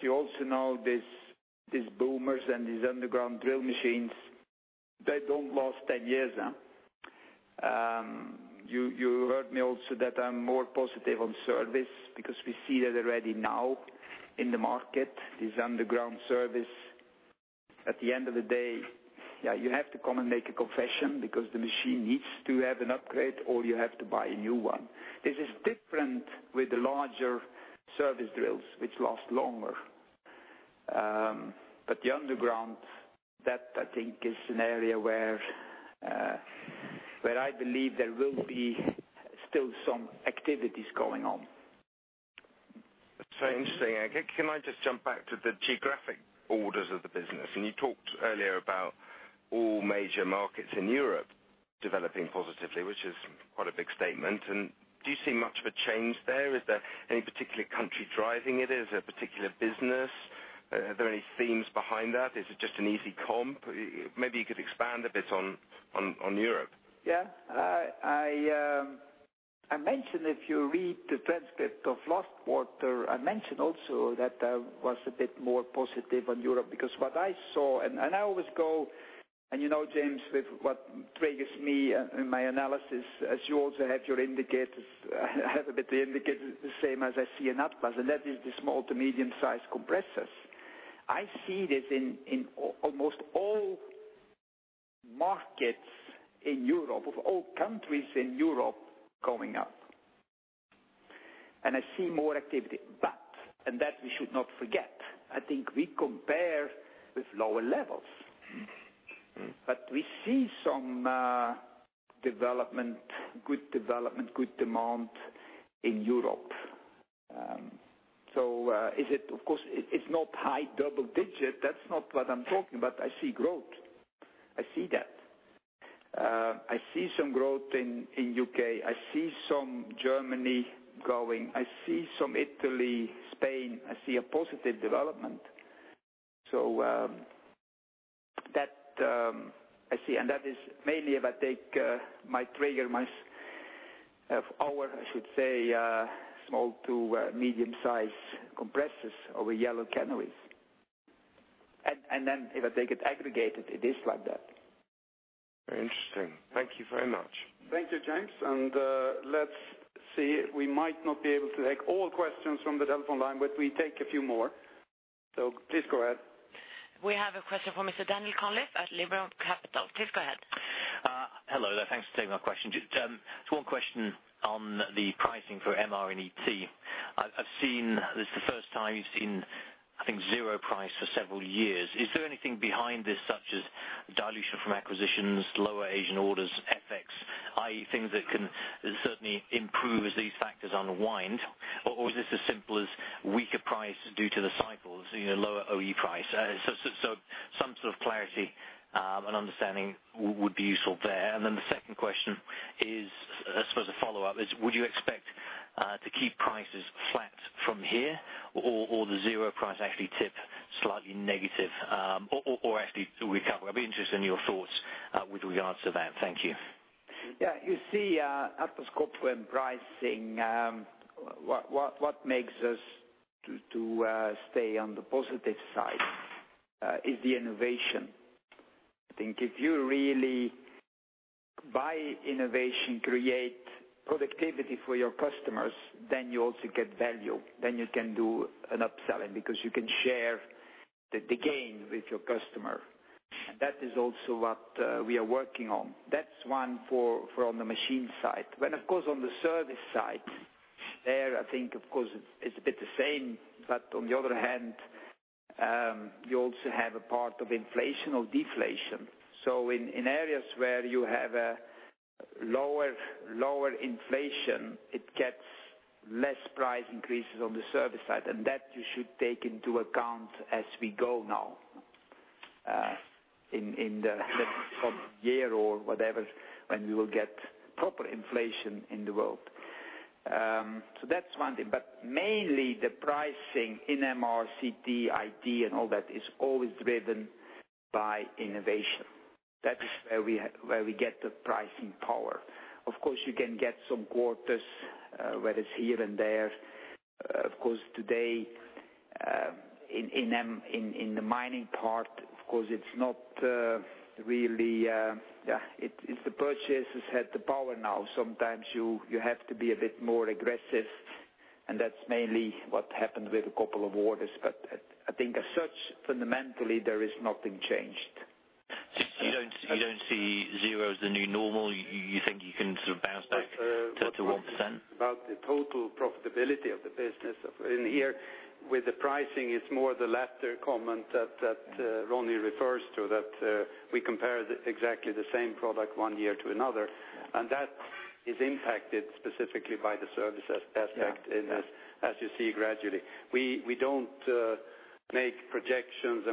you also know these boomers and these underground drill machines, they don't last 10 years. You heard me also that I'm more positive on service because we see that already now in the market. This underground service, at the end of the day, you have to come and make a confession because the machine needs to have an upgrade or you have to buy a new one. This is different with the larger surface drills, which last longer. The underground, that I think is an area where I believe there will be still some activities going on. That's very interesting. Can I just jump back to the geographic orders of the business? You talked earlier about all major markets in Europe developing positively, which is quite a big statement. Do you see much of a change there? Is there any particular country driving it? Is there a particular business? Are there any themes behind that? Is it just an easy comp? Maybe you could expand a bit on Europe. Yeah. I mentioned, if you read the transcript of last quarter, I mentioned also that I was a bit more positive on Europe because what I saw, and you know James with what triggers me in my analysis, as you also have your indicators, I have a bit the indicators the same as I see in Atlas, and that is the small to medium sized compressors. I see this in almost all markets in Europe, of all countries in Europe, going up. I see more activity. And that we should not forget, I think we compare with lower levels. We see some development, good development, good demand in Europe. Of course, it's not high double digit. That's not what I'm talking, but I see growth. I see that. I see some growth in U.K., I see some Germany growing, I see some Italy, Spain, I see a positive development. I see, and that is mainly if I take my trigger, our, I should say, small to medium size compressors or yellow canopies. Then if I take it aggregated, it is like that. Very interesting. Thank you very much. Thank you, James. Let's see, we might not be able to take all questions from the telephone line, but we take a few more. Please go ahead. We have a question from Mr. Daniel Cunliffe at Liberum Capital. Please go ahead. Hello there. Thanks for taking my question. Just one question on the pricing for MR and CT. I've seen this the first time since I think zero price for several years. Is there anything behind this such as dilution from acquisitions, lower Asian orders, FX, i.e., things that can certainly improve as these factors unwind? Or is this as simple as weaker price due to the cycles, lower OE price? Some sort of clarity and understanding would be useful there. The second question is, I suppose a follow-up is, would you expect to keep prices flat from here or the zero price actually tip slightly negative or actually to recover? I'd be interested in your thoughts with regards to that. Thank you. Yeah. You see, Atlas Copco and pricing, what makes us to stay on the positive side is the innovation. I think if you really, by innovation, create productivity for your customers, then you also get value, then you can do an upselling because you can share the gain with your customer. That is also what we are working on. That's one from the machine side. Of course, on the service side, there, I think of course it's a bit the same, but on the other hand, you also have a part of inflation or deflation. In areas where you have a lower inflation, it gets less price increases on the service side, and that you should take into account as we go now in the course of the year or whatever, when we will get proper inflation in the world. That's one thing, but mainly the pricing in MR, CT, IT, and all that is always driven by innovation. That is where we get the pricing power. Of course, you can get some quarters, whether it's here and there. Of course today, in the mining part, of course, it's the purchasers have the power now. Sometimes you have to be a bit more aggressive, and that's mainly what happened with a couple of orders. I think as such, fundamentally, there is nothing changed. You don't see zero as the new normal? You think you can sort of bounce back to 1%? About the total profitability of the business in here with the pricing, it's more the latter comment that Ronnie refers to, that we compare exactly the same product one year to another, that is impacted specifically by the services aspect as you see gradually. We don't make projections,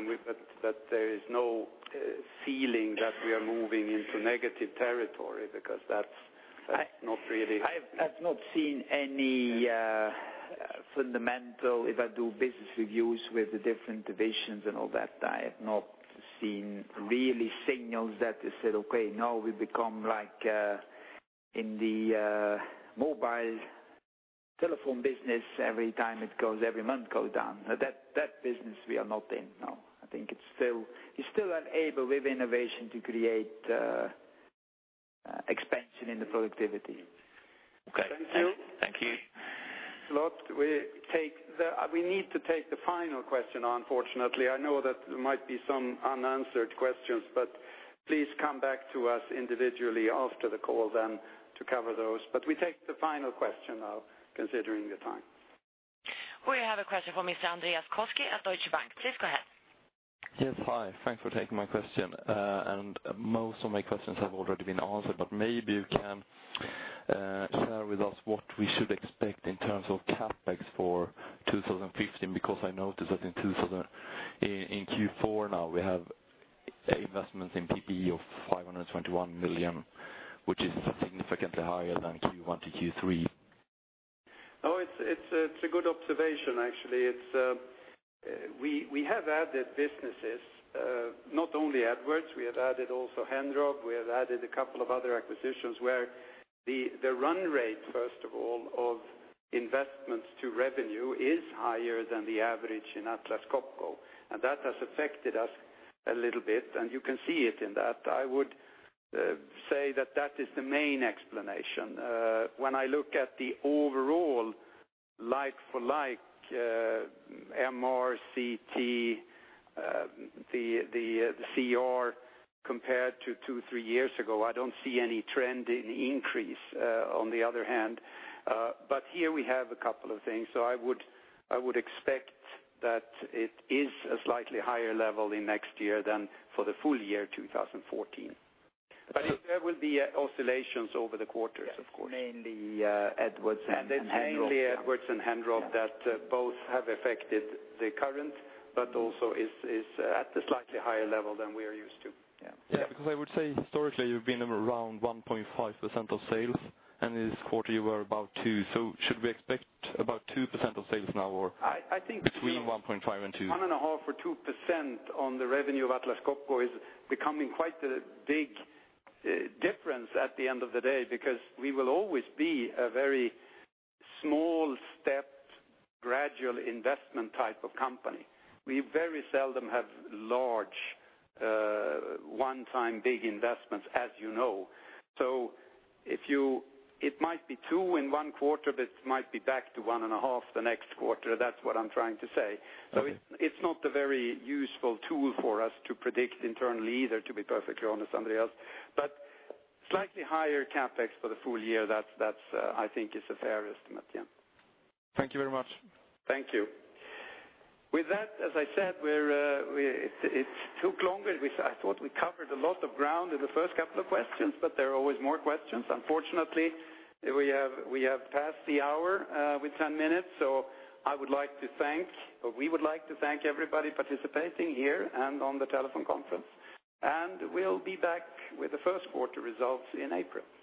there is no feeling that we are moving into negative territory because that's not really. I've not seen any fundamental, if I do business reviews with the different divisions and all that, I have not seen really signals that they said, "Okay, now we become like in the mobile telephone business, every month it goes down." That business we are not in now. I think you still are able, with innovation, to create expansion in the productivity. Okay. Thank you. Thank you. We need to take the final question, unfortunately. I know that there might be some unanswered questions, but please come back to us individually after the call then to cover those. We take the final question now, considering the time. We have a question from Mr. Andreas Koski at Deutsche Bank. Please go ahead. Yes, hi. Thanks for taking my question. Most of my questions have already been answered, maybe you can share with us what we should expect in terms of CapEx for 2015, because I noticed that in Q4 now we have investments in PP&E of 521 million, which is significantly higher than Q1 to Q3. Oh, it's a good observation, actually. We have added businesses, not only Edwards, we have added also Henrob, we have added a couple of other acquisitions where the run rate, first of all, of investments to revenue is higher than the average in Atlas Copco. That has affected us a little bit, and you can see it in that. I would say that is the main explanation. When I look at the overall like for like, MR, CT, the CR compared to two, three years ago, I don't see any trend in increase, on the other hand. Here we have a couple of things. I would expect that it is a slightly higher level in next year than for the full year 2014. There will be oscillations over the quarters, of course. Mainly Edwards and Henrob. Mainly Edwards and Henrob that both have affected the current, but also is at a slightly higher level than we are used to. Yeah. Yeah, because I would say historically, you've been around 1.5% of sales, and this quarter you were about 2%. Should we expect about 2% of sales now, or between 1.5 and 2? I think 1.5%-2% on the revenue of Atlas Copco is becoming quite a big difference at the end of the day, because we will always be a very small step, gradual investment type of company. We very seldom have large, one-time big investments, as you know. It might be 2% in one quarter, but it might be back to 1.5% the next quarter. That's what I'm trying to say. Okay. It's not a very useful tool for us to predict internally either, to be perfectly honest. Slightly higher CapEx for the full year, that I think is a fair estimate, yeah. Thank you very much. Thank you. With that, as I said, it took longer. I thought we covered a lot of ground in the first couple of questions, there are always more questions. Unfortunately, we have passed the hour with 10 minutes, I would like to thank, or we would like to thank everybody participating here and on the telephone conference, and we'll be back with the first quarter results in April. Thank you.